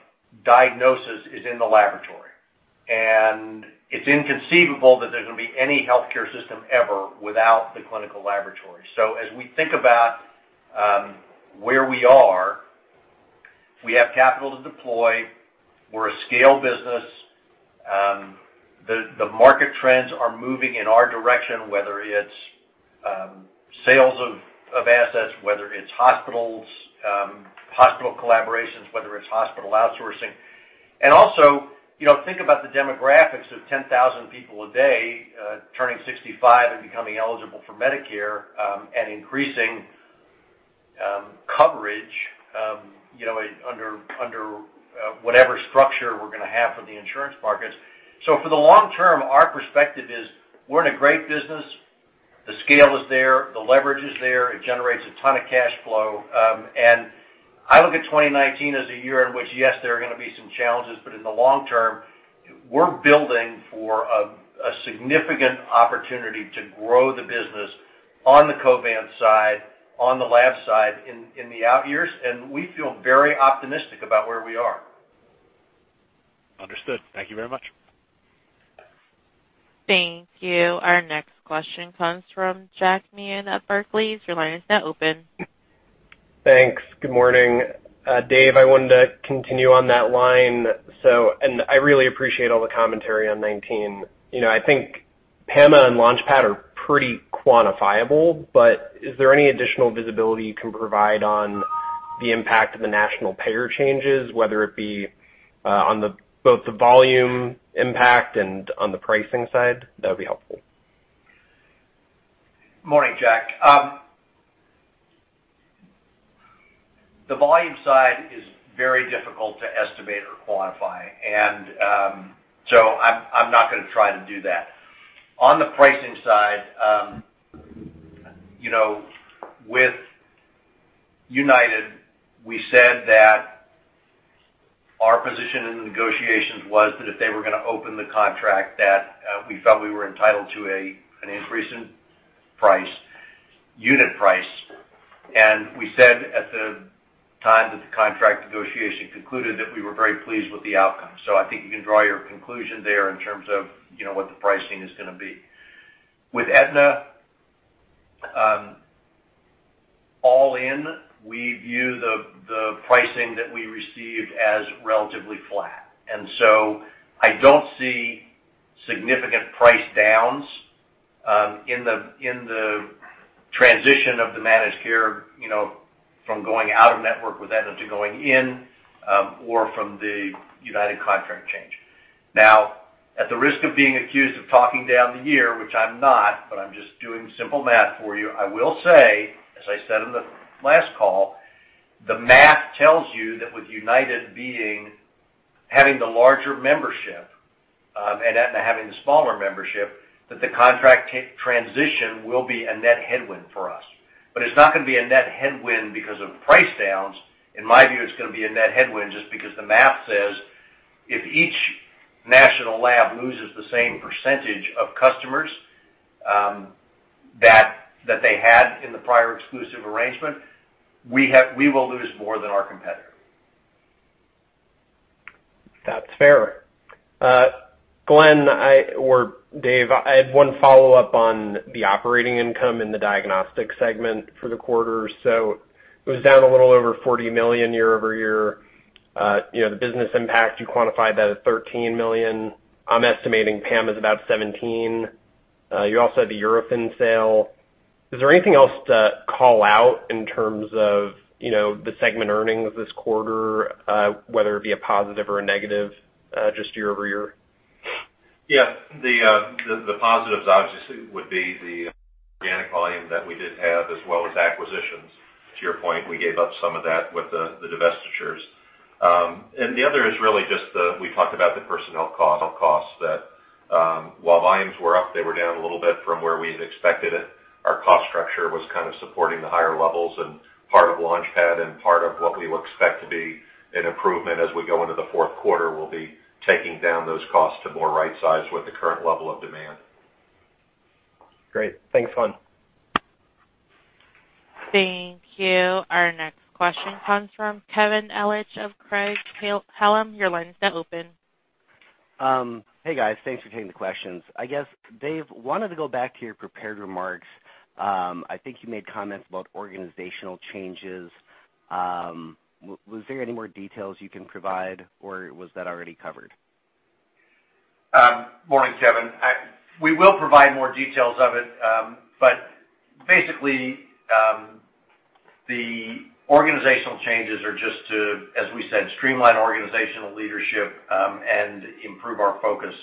diagnosis is in the laboratory, and it's inconceivable that there's going to be any healthcare system ever without the clinical laboratory. As we think about where we are, we have capital to deploy. We're a scale business. The market trends are moving in our direction, whether it's sales of assets, whether it's hospital collaborations, whether it's hospital outsourcing. Also, think about the demographics of 10,000 people a day turning 65 and becoming eligible for Medicare, and increasing coverage under whatever structure we're going to have for the insurance markets. For the long term, our perspective is we're in a great business. The scale is there, the leverage is there. It generates a ton of cash flow. I look at 2019 as a year in which, yes, there are going to be some challenges, but in the long term, we're building for a significant opportunity to grow the business on the Covance side, on the lab side, in the out years, and we feel very optimistic about where we are. Understood. Thank you very much. Thank you. Our next question comes from Jack Meehan of Barclays. Your line is now open. Thanks. Good morning. Dave, I wanted to continue on that line. I really appreciate all the commentary on 2019. I think PAMA and LaunchPad are pretty quantifiable, is there any additional visibility you can provide on the impact of the national payer changes, whether it be on both the volume impact and on the pricing side? That would be helpful. Morning, Jack. The volume side is very difficult to estimate or quantify, I'm not going to try to do that. On the pricing side, with United, we said that our position in the negotiations was that if they were going to open the contract, that we felt we were entitled to an increase in unit price. We said at the time that the contract negotiation concluded that we were very pleased with the outcome. I think you can draw your conclusion there in terms of what the pricing is going to be. With Aetna, all in, we view the pricing that we received as relatively flat, I don't see significant price downs in the transition of the managed care from going out of network with Aetna to going in, or from the United contract change. At the risk of being accused of talking down the year, which I'm not, I'm just doing simple math for you, I will say, as I said on the last call, the math tells you that with United having the larger membership, and Aetna having the smaller membership, that the contract transition will be a net headwind for us. It's not going to be a net headwind because of price downs. In my view, it's going to be a net headwind just because the math says if each national lab loses the same percentage of customers that they had in the prior exclusive arrangement, we will lose more than our competitor. That's fair. Glenn or Dave, I had one follow-up on the operating income in the Labcorp Diagnostics segment for the quarter. It was down a little over $40 million year-over-year. The business impact, you quantified that at $13 million. I'm estimating PAMA's about $17. You also had the Eurofins sale. Is there anything else to call out in terms of the segment earnings this quarter, whether it be a positive or a negative, just year-over-year? Yeah. The positives obviously would be the organic volume that we did have as well as acquisitions. To your point, we gave up some of that with the divestitures. The other is really just, we talked about the personnel costs, that while volumes were up, they were down a little bit from where we had expected it. Our cost structure was kind of supporting the higher levels and part of LaunchPad and part of what we expect to be an improvement as we go into the fourth quarter will be taking down those costs to more right size with the current level of demand. Great. Thanks, Glenn. Thank you. Our next question comes from Kevin Ellich of Craig-Hallum. Your line is now open. Hey, guys. Thanks for taking the questions. I guess, Dave, wanted to go back to your prepared remarks. I think you made comments about organizational changes. Was there any more details you can provide, or was that already covered? Morning, Kevin. We will provide more details of it. Basically, the organizational changes are just to, as we said, streamline organizational leadership, and improve our focus.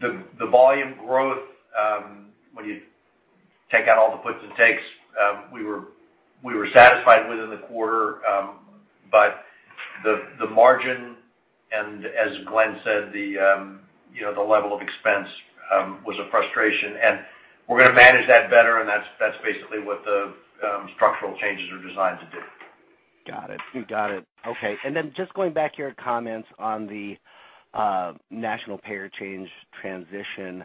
The volume growth, when you take out all the puts and takes, we were satisfied with in the quarter. The margin and, as Glenn Eisenberg said, the level of expense, was a frustration. We're going to manage that better, and that's basically what the structural changes are designed to do. Got it. Okay. Then just going back to your comments on the national payer change transition.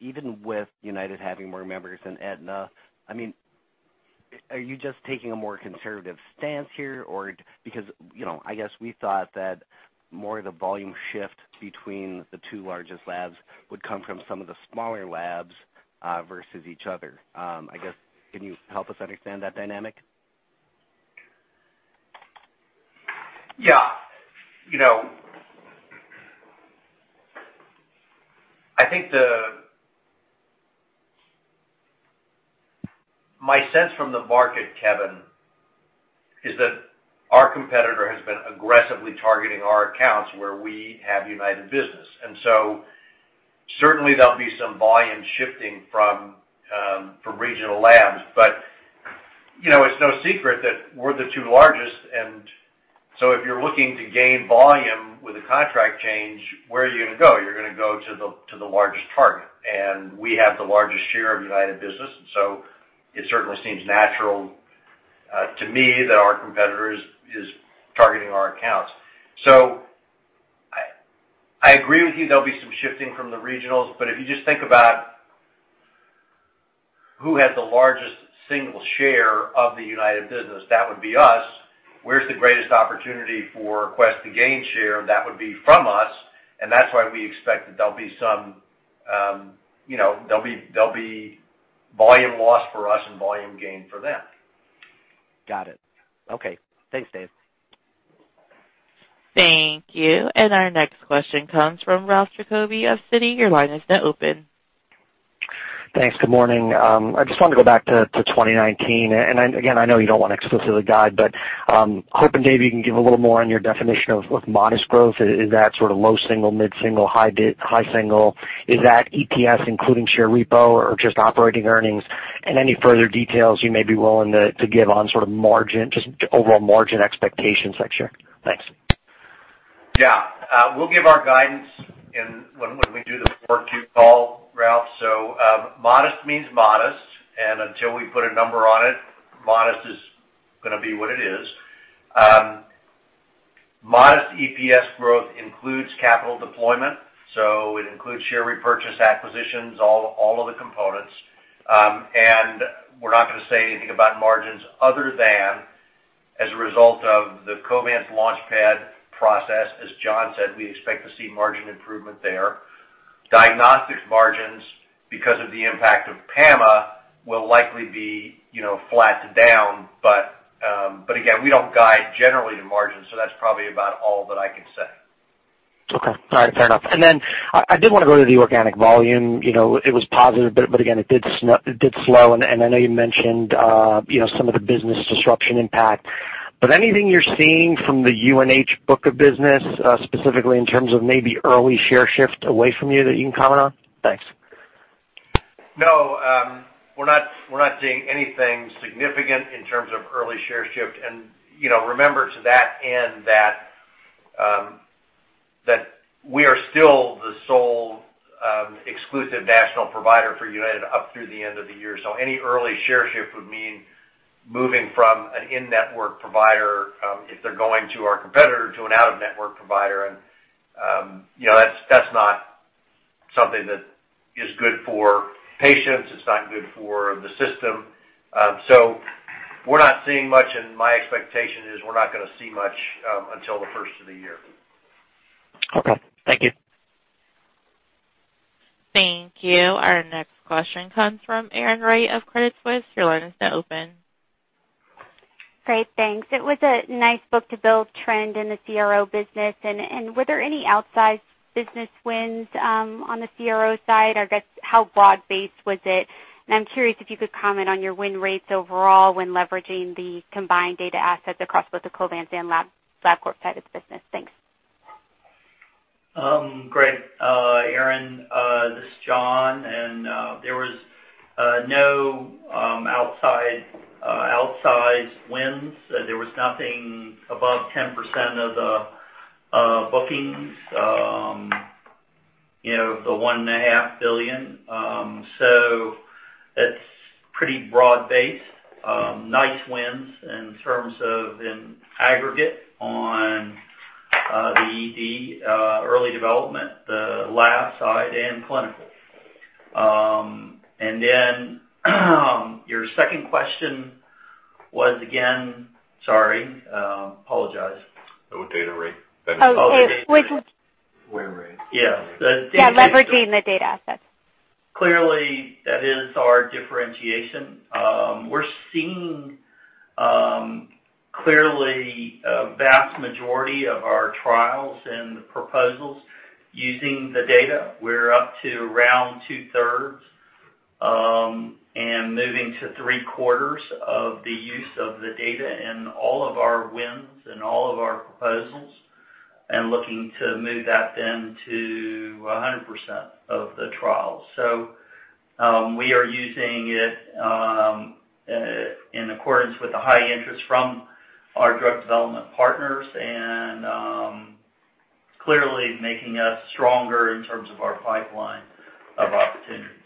Even with United having more members than Aetna, are you just taking a more conservative stance here, or because I guess we thought that more of the volume shift between the two largest labs would come from some of the smaller labs, versus each other. I guess, can you help us understand that dynamic? Yeah. My sense from the market, Kevin, is that our competitor has been aggressively targeting our accounts where we have United business. Certainly, there'll be some volume shifting from regional labs. It's no secret that we're the two largest, so if you're looking to gain volume with a contract change, where are you going to go? You're going to go to the largest target. We have the largest share of United business, so it certainly seems natural to me that our competitor is targeting our accounts. I agree with you, there'll be some shifting from the regionals, but if you just think about who has the largest single share of the United business, that would be us. Where's the greatest opportunity for Quest to gain share? That would be from us, and that's why we expect that there'll be volume loss for us and volume gain for them. Got it. Okay. Thanks, Dave. Thank you. Our next question comes from Ralph Jacoby of Citi. Your line is now open. Thanks. Good morning. I just wanted to go back to 2019. Again, I know you don't want to explicitly guide, but hoping, Dave, you can give a little more on your definition of modest growth. Is that sort of low single, mid-single, high single? Is that EPS including share repo or just operating earnings? Any further details you may be willing to give on sort of margin, just overall margin expectations next year. Thanks. Yeah. We'll give our guidance when we do the 4Q call, Ralph. Modest means modest, until we put a number on it, modest is going to be what it is. Modest EPS growth includes capital deployment, it includes share repurchase, acquisitions, all of the components. We're not going to say anything about margins other than, as a result of the Covance LaunchPad process, as John said, we expect to see margin improvement there. Labcorp Diagnostics margins, because of the impact of PAMA, will likely be flat to down. Again, we don't guide generally to margins, that's probably about all that I can say. Okay. All right, fair enough. Then I did want to go to the organic volume. It was positive, but again, it did slow, I know you mentioned some of the business disruption impact. Anything you're seeing from the UNH book of business, specifically in terms of maybe early share shift away from you that you can comment on? Thanks. No, we're not seeing anything significant in terms of early share shift. Remember to that end that we are still the sole exclusive national provider for United up through the end of the year. Any early share shift would mean moving from an in-network provider, if they're going to our competitor, to an out-of-network provider, that's not something that is good for patients. It's not good for the system. We're not seeing much, my expectation is we're not going to see much until the first of the year. Okay. Thank you. Thank you. Our next question comes from Erin Wright of Credit Suisse. Your line is now open. Great, thanks. It was a nice book-to-bill trend in the CRO business. Were there any outsized business wins on the CRO side? I guess, how broad-based was it? I'm curious if you could comment on your win rates overall when leveraging the combined data assets across both the Covance and Labcorp side of the business. Thanks. Great. Erin, this is John, there was no outsized wins. There was nothing above 10% of the bookings, the $1.5 billion. It's pretty broad-based. Nice wins in terms of in aggregate on the ED, early development, the lab side, and clinical. Then your second question was again? Sorry. Apologize. The data rate. Oh. Yeah. Yeah, leveraging the data assets. Clearly, that is our differentiation. We're seeing, clearly, a vast majority of our trials and the proposals using the data. We're up to around two-thirds, and moving to three-quarters of the use of the data in all of our wins and all of our proposals, and looking to move that then to 100% of the trials. We are using it in accordance with the high interest from our drug development partners, and clearly making us stronger in terms of our pipeline of opportunities.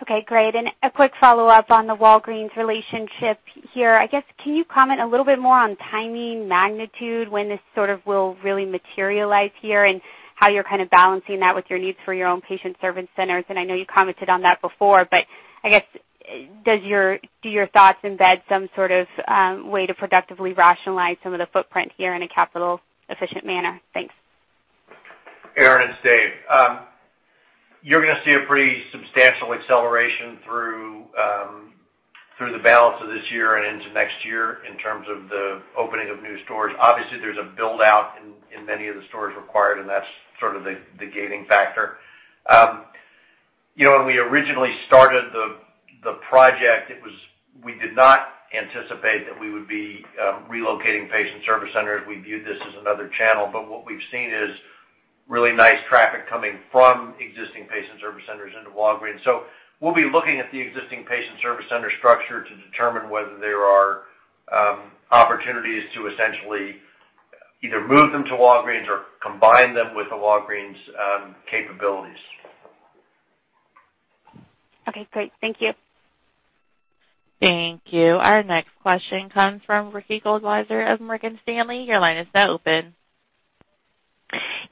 Okay, great. A quick follow-up on the Walgreens relationship here. I guess, can you comment a little bit more on timing, magnitude, when this sort of will really materialize here, and how you're kind of balancing that with your needs for your own patient service centers? I know you commented on that before, but I guess, do your thoughts embed some sort of way to productively rationalize some of the footprint here in a capital efficient manner? Thanks. Erin, it's Dave. You're going to see a pretty substantial acceleration through the balance of this year and into next year in terms of the opening of new stores. Obviously, there's a build-out in many of the stores required, and that's sort of the gating factor. When we originally started the project, we did not anticipate that we would be relocating patient service centers. We viewed this as another channel. What we've seen is really nice traffic coming from existing patient service centers into Walgreens. We'll be looking at the existing patient service center structure to determine whether there are opportunities to essentially either move them to Walgreens or combine them with the Walgreens capabilities. Okay, great. Thank you. Thank you. Our next question comes from Ricky Goldwasser of Morgan Stanley. Your line is now open.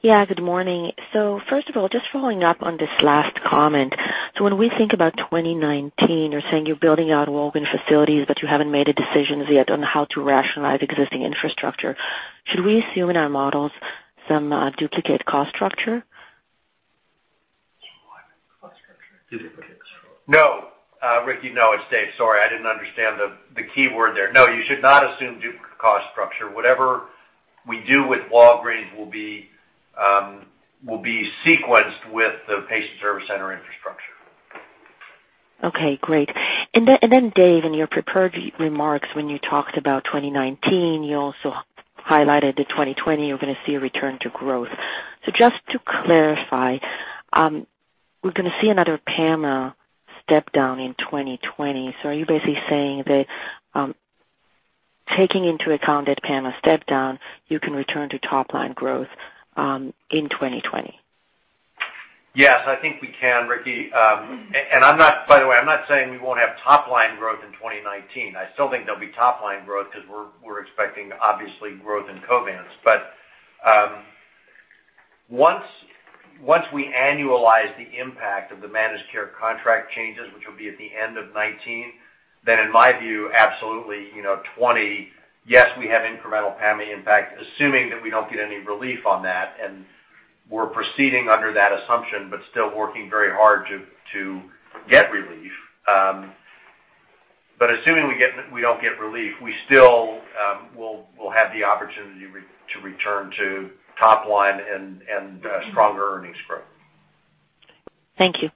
Good morning. First of all, just following up on this last comment. When we think about 2019, you're saying you're building out Walgreens facilities, but you haven't made a decision as yet on how to rationalize existing infrastructure. Should we assume in our models some duplicate cost structure? No. Ricky, no. It's Dave. Sorry, I didn't understand the key word there. No, you should not assume duplicate cost structure. Whatever we do with Walgreens will be sequenced with the patient service center infrastructure. Okay, great. Dave, in your prepared remarks when you talked about 2019, you also highlighted that 2020 you're going to see a return to growth. Just to clarify, we're going to see another PAMA step-down in 2020. Are you basically saying that, taking into account that PAMA step-down, you can return to top-line growth in 2020? Yes, I think we can, Ricky. By the way, I'm not saying we won't have top-line growth in 2019. I still think there'll be top-line growth because we're expecting, obviously, growth in Covance. Once we annualize the impact of the managed care contract changes, which will be at the end of 2019, in my view, absolutely, 2020, yes, we have incremental PAMA. In fact, assuming that we don't get any relief on that, we're proceeding under that assumption, still working very hard to get relief. Assuming we don't get relief, we still will have the opportunity to return to top line and stronger earnings growth. Thank you.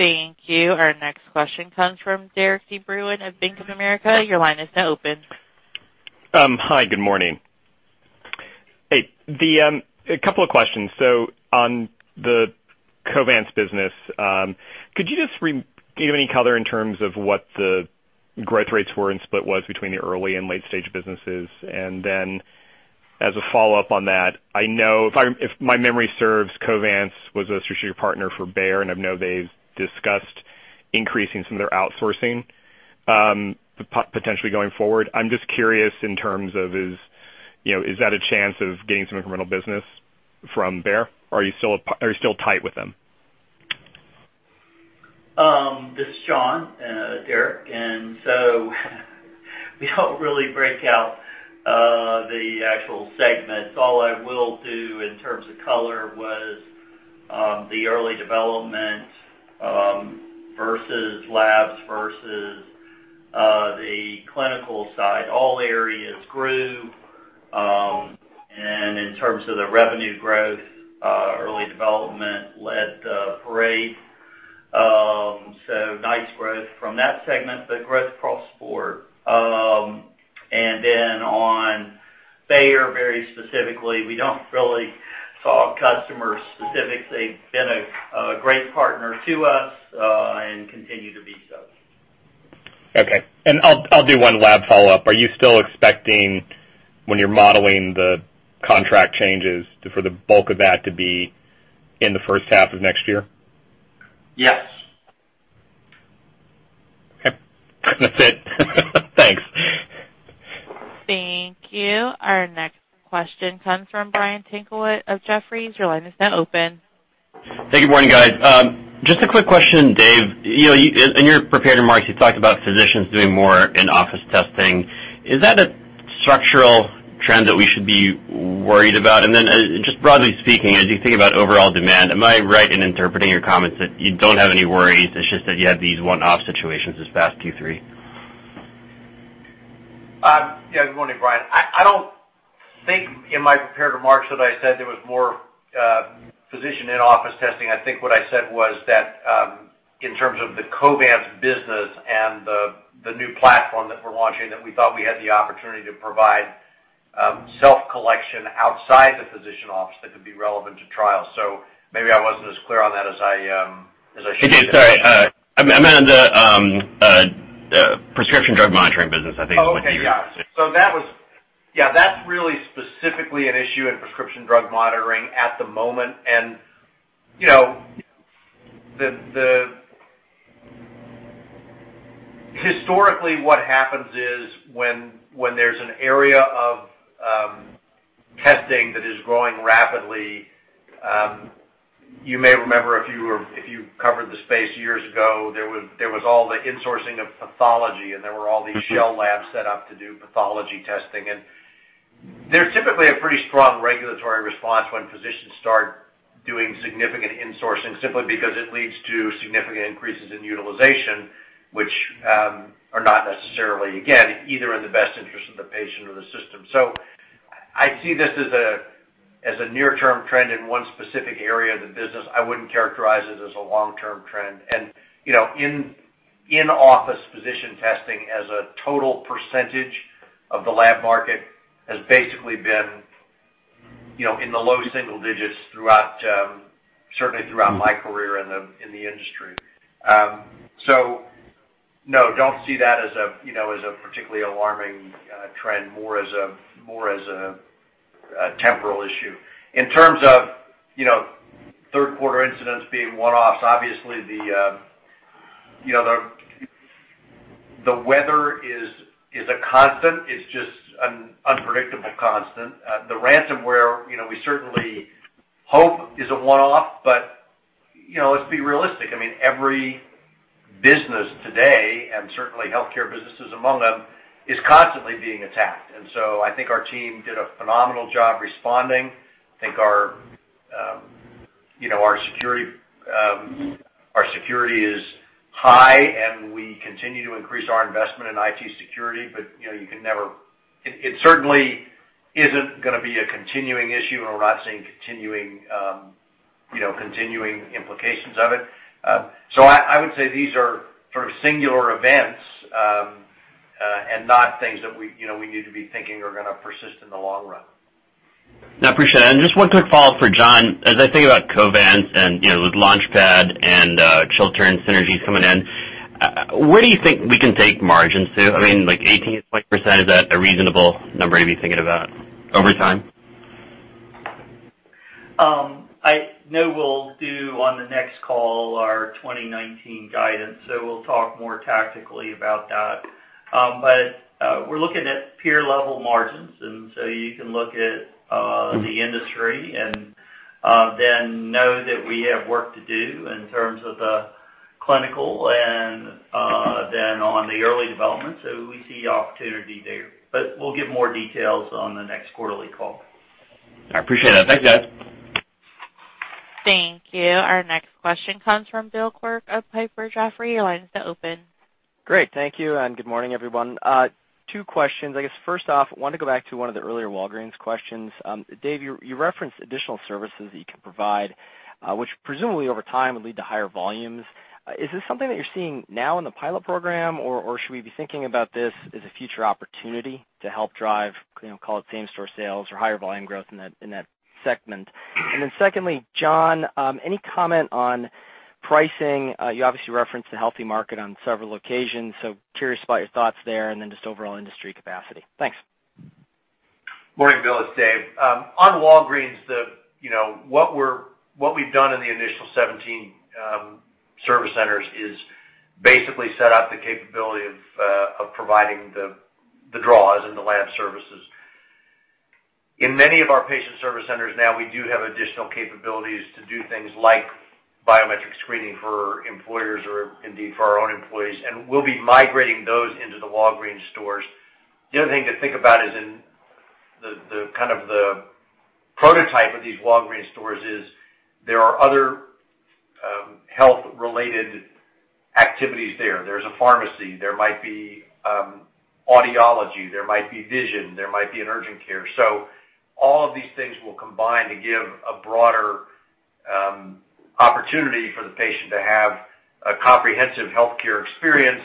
Thank you. Our next question comes from Derik de Bruin of Bank of America. Your line is now open. Hi, good morning. A couple of questions. On the Covance business, could you just give any color in terms of what the growth rates were and split was between the early and late-stage businesses? As a follow-up on that, I know if my memory serves, Covance was a strategic partner for Bayer, and I know they've discussed increasing some of their outsourcing potentially going forward. I'm just curious in terms of, is that a chance of getting some incremental business from Bayer? Are you still tight with them? This is John, Derik. We don't really break out the actual segments. All I will do in terms of color was the early development versus labs versus the clinical side. All areas grew. In terms of the revenue growth, early development led the parade. Nice growth from that segment, but growth across the board. On Bayer, very specifically, we don't really talk customers specifically. Been a great partner to us, and continue to be so. Okay. I'll do one lab follow-up. Are you still expecting, when you're modeling the contract changes, for the bulk of that to be in the first half of next year? Yes. Okay. That's it. Thanks. Thank you. Our next question comes from Brian Tanquilut of Jefferies. Your line is now open. Thank you. Morning, guys. Just a quick question, Dave. In your prepared remarks, you talked about physicians doing more in-office testing. Is that a structural trend that we should be worried about? Just broadly speaking, as you think about overall demand, am I right in interpreting your comments that you don't have any worries, it's just that you have these one-off situations this past Q3? Yeah. Good morning, Brian. I don't think in my prepared remarks that I said there was more physician in-office testing. I think what I said was that, in terms of the Covance business and the new platform that we're launching, that we thought we had the opportunity to provide self-collection outside the physician office that could be relevant to trials. Maybe I wasn't as clear on that as I should have been. Sorry. I meant on the prescription drug monitoring business, I think is what you Oh, okay. Yeah. That's really specifically an issue in prescription drug monitoring at the moment. Historically, what happens is, when there's an area of testing that is growing rapidly, you may remember, if you covered the space years ago, there was all the insourcing of pathology, and there were all these shell labs set up to do pathology testing in. There's typically a pretty strong regulatory response when physicians start doing significant insourcing, simply because it leads to significant increases in utilization, which are not necessarily, again, either in the best interest of the patient or the system. I see this as a near-term trend in one specific area of the business. I wouldn't characterize it as a long-term trend. In office physician testing, as a total percentage of the lab market, has basically been in the low single digits, certainly throughout my career in the industry. No, don't see that as a particularly alarming trend, more as a temporal issue. In terms of third quarter incidents being one-offs, obviously the weather is a constant, it's just an unpredictable constant. The ransomware, we certainly hope is a one-off, but let's be realistic. Every business today, and certainly healthcare businesses among them, is constantly being attacked. I think our team did a phenomenal job responding. I think our security is high, and we continue to increase our investment in IT security. It certainly isn't going to be a continuing issue, and we're not seeing continuing implications of it. I would say these are singular events, and not things that we need to be thinking are going to persist in the long run. No, appreciate it. Just one quick follow-up for John. As I think about Covance and with LaunchPad and Chiltern synergy coming in, where do you think we can take margins to? Like 18.5%, is that a reasonable number to be thinking about over time? I know we'll do, on the next call, our 2019 guidance, so we'll talk more tactically about that. We're looking at peer-level margins, you can look at the industry and then know that we have work to do in terms of the clinical and then on the early development. We see opportunity there. We'll give more details on the next quarterly call. I appreciate that. Thanks, guys. Thank you. Our next question comes from Bill Quirk of Piper Jaffray. Your line is now open. Great. Thank you. Good morning, everyone. Two questions. I guess first off, want to go back to one of the earlier Walgreens questions. Dave, you referenced additional services that you can provide, which presumably over time would lead to higher volumes. Is this something that you're seeing now in the pilot program, or should we be thinking about this as a future opportunity to help drive same store sales or higher volume growth in that segment? Secondly, John, any comment on pricing? You obviously referenced the healthy market on several occasions, so curious about your thoughts there and then just overall industry capacity. Thanks. Morning, Bill. It's Dave. On Walgreens, what we've done in the initial 17 service centers is basically set up the capability of providing the draws and the lab services. In many of our patient service centers now, we do have additional capabilities to do things like biometric screening for employers or indeed for our own employees, and we'll be migrating those into the Walgreens stores. The other thing to think about is in the prototype of these Walgreens stores is there are other health-related activities there. There's a pharmacy, there might be audiology, there might be vision, there might be an urgent care. All of these things will combine to give a broader opportunity for the patient to have a comprehensive healthcare experience.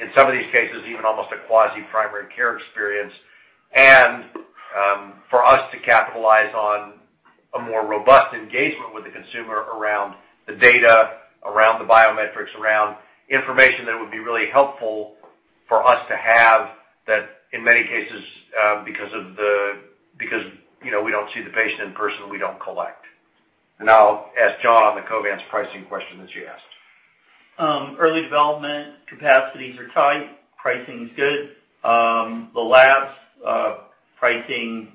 In some of these cases, even almost a quasi-primary care experience. For us to capitalize on a more robust engagement with the consumer around the data, around the biometrics, around information that would be really helpful for us to have that in many cases because we don't see the patient in person, we don't collect. I'll ask John the Covance pricing question that you asked. Early development capacities are tight. Pricing is good. The labs pricing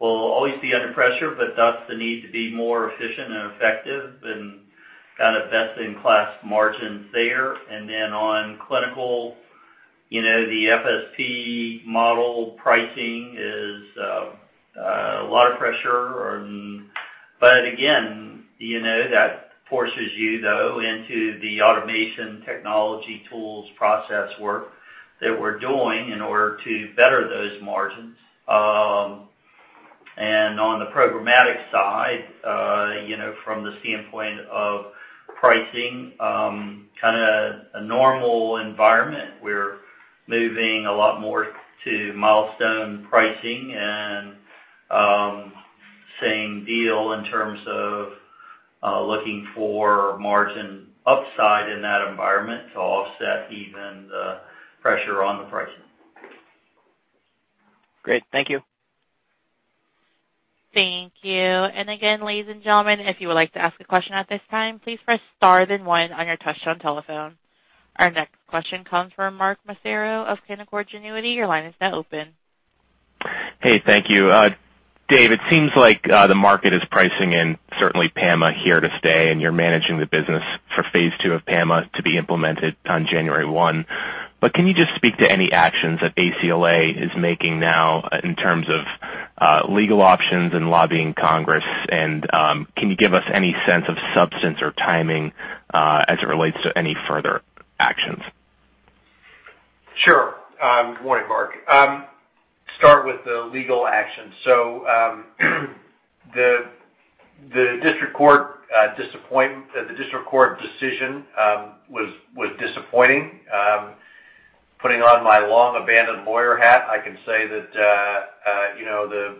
will always be under pressure, but thus the need to be more efficient and effective and best-in-class margins there. Then on clinical, the FSP model pricing is a lot of pressure. Again, that forces you, though, into the automation technology tools process work that we're doing in order to better those margins. On the programmatic side, from the standpoint of pricing, kind of a normal environment. We're moving a lot more to milestone pricing and same deal in terms of looking for margin upside in that environment to offset even the pressure on the pricing. Great. Thank you. Thank you. Again, ladies and gentlemen, if you would like to ask a question at this time, please press star then one on your touchtone telephone. Our next question comes from Mark Massaro of Canaccord Genuity. Your line is now open. Hey, thank you. Dave, it seems like the market is pricing in certainly PAMA here to stay, and you're managing the business for phase 2 of PAMA to be implemented on January 1. Can you just speak to any actions that ACLA is making now in terms of legal options and lobbying Congress, and can you give us any sense of substance or timing as it relates to any further actions? Sure. Good morning, Mark. Start with the legal action. The District Court decision was disappointing. Putting on my long-abandoned lawyer hat, I can say that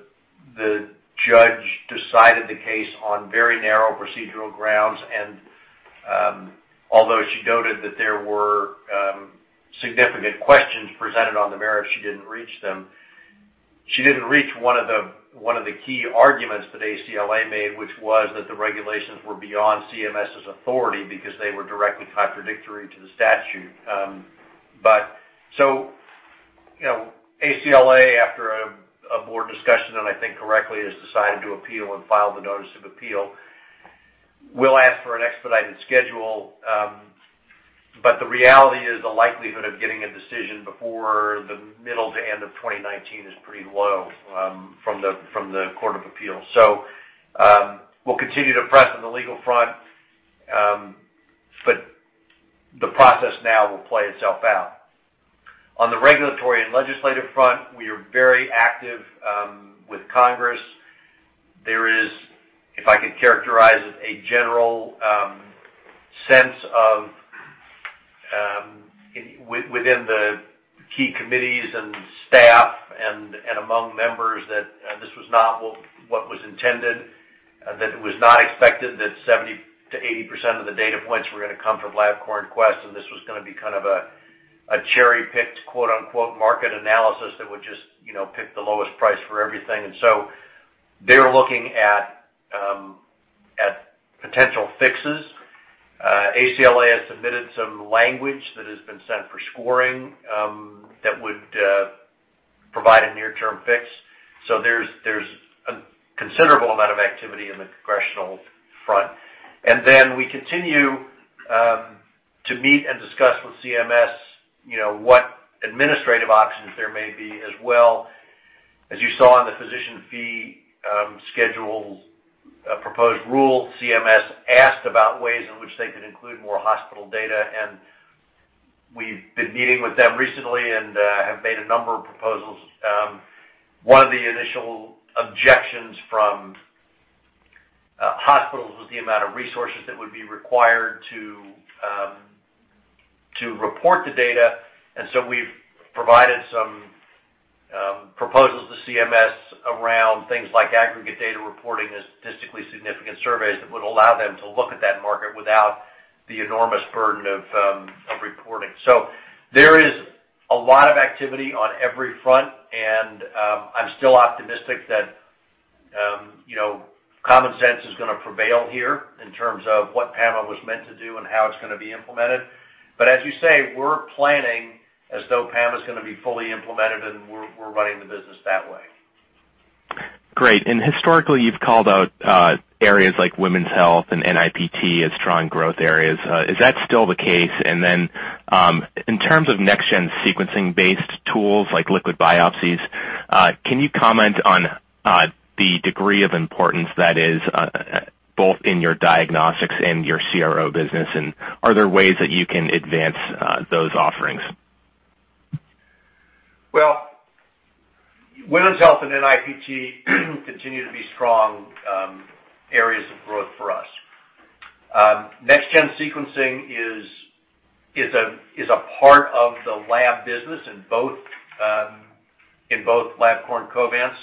the judge decided the case on very narrow procedural grounds, and although she noted that there were significant questions presented on the merits, she didn't reach them. She didn't reach one of the key arguments that ACLA made, which was that the regulations were beyond CMS's authority because they were directly contradictory to the statute. ACLA, after a board discussion, and I think correctly, has decided to appeal and file the notice of appeal. We'll ask for an expedited schedule, the reality is the likelihood of getting a decision before the middle to end of 2019 is pretty low from the Court of Appeals. We'll continue to press on the legal front, the process now will play itself out. On the regulatory and legislative front, we are very active with Congress. There is, if I could characterize it, a general sense of, within the key committees and staff and among members that this was not what was intended, that it was not expected that 70%-80% of the data points were going to come from Labcorp and Quest, and this was going to be kind of a cherry-picked, quote unquote, "market analysis" that would just pick the lowest price for everything. They're looking at potential fixes. ACLA has submitted some language that has been sent for scoring that would provide a near-term fix. There's a considerable amount of activity in the congressional front. We continue to meet and discuss with CMS what administrative options there may be as well. As you saw in the physician fee schedule proposed rule, CMS asked about ways in which they could include more hospital data, we've been meeting with them recently and have made a number of proposals. One of the initial objections from hospitals was the amount of resources that would be required to report the data, we've provided some proposals to CMS around things like aggregate data reporting and statistically significant surveys that would allow them to look at that market without the enormous burden of reporting. There is a lot of activity on every front, and I'm still optimistic that common sense is going to prevail here in terms of what PAMA was meant to do and how it's going to be implemented. As you say, we're planning as though PAMA's going to be fully implemented, and we're running the business that way. Great. Historically, you've called out areas like women's health and NIPT as strong growth areas. Is that still the case? Then, in terms of next-gen sequencing based tools like liquid biopsies, can you comment on the degree of importance that is both in your diagnostics and your CRO business, are there ways that you can advance those offerings? Well, women's health and NIPT continue to be strong areas of growth for us. Next-gen sequencing is a part of the lab business in both Labcorp and Covance,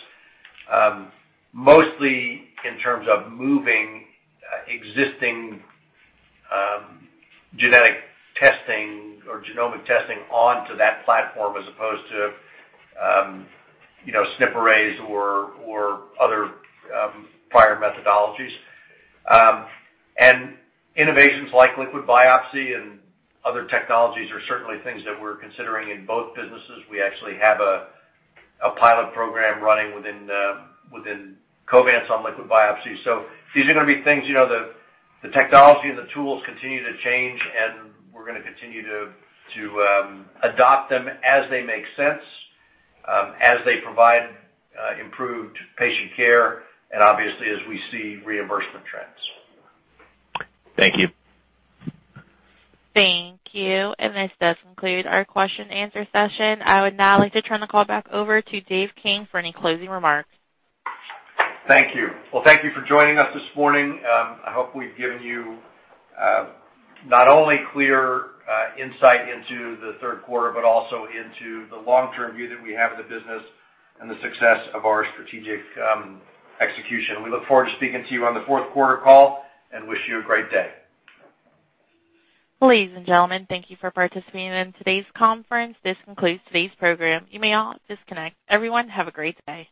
mostly in terms of moving existing genetic testing or genomic testing onto that platform as opposed to SNP arrays or other prior methodologies. Innovations like liquid biopsy and other technologies are certainly things that we're considering in both businesses. We actually have a pilot program running within Covance on liquid biopsy. These are going to be things, the technology and the tools continue to change, and we're going to continue to adopt them as they make sense, as they provide improved patient care, and obviously as we see reimbursement trends. Thank you. Thank you. This does conclude our question-answer session. I would now like to turn the call back over to Dave King for any closing remarks. Thank you. Well, thank you for joining us this morning. I hope we've given you not only clear insight into the third quarter, but also into the long-term view that we have of the business and the success of our strategic execution. We look forward to speaking to you on the fourth quarter call and wish you a great day. Ladies and gentlemen, thank you for participating in today's conference. This concludes today's program. You may all disconnect. Everyone, have a great day.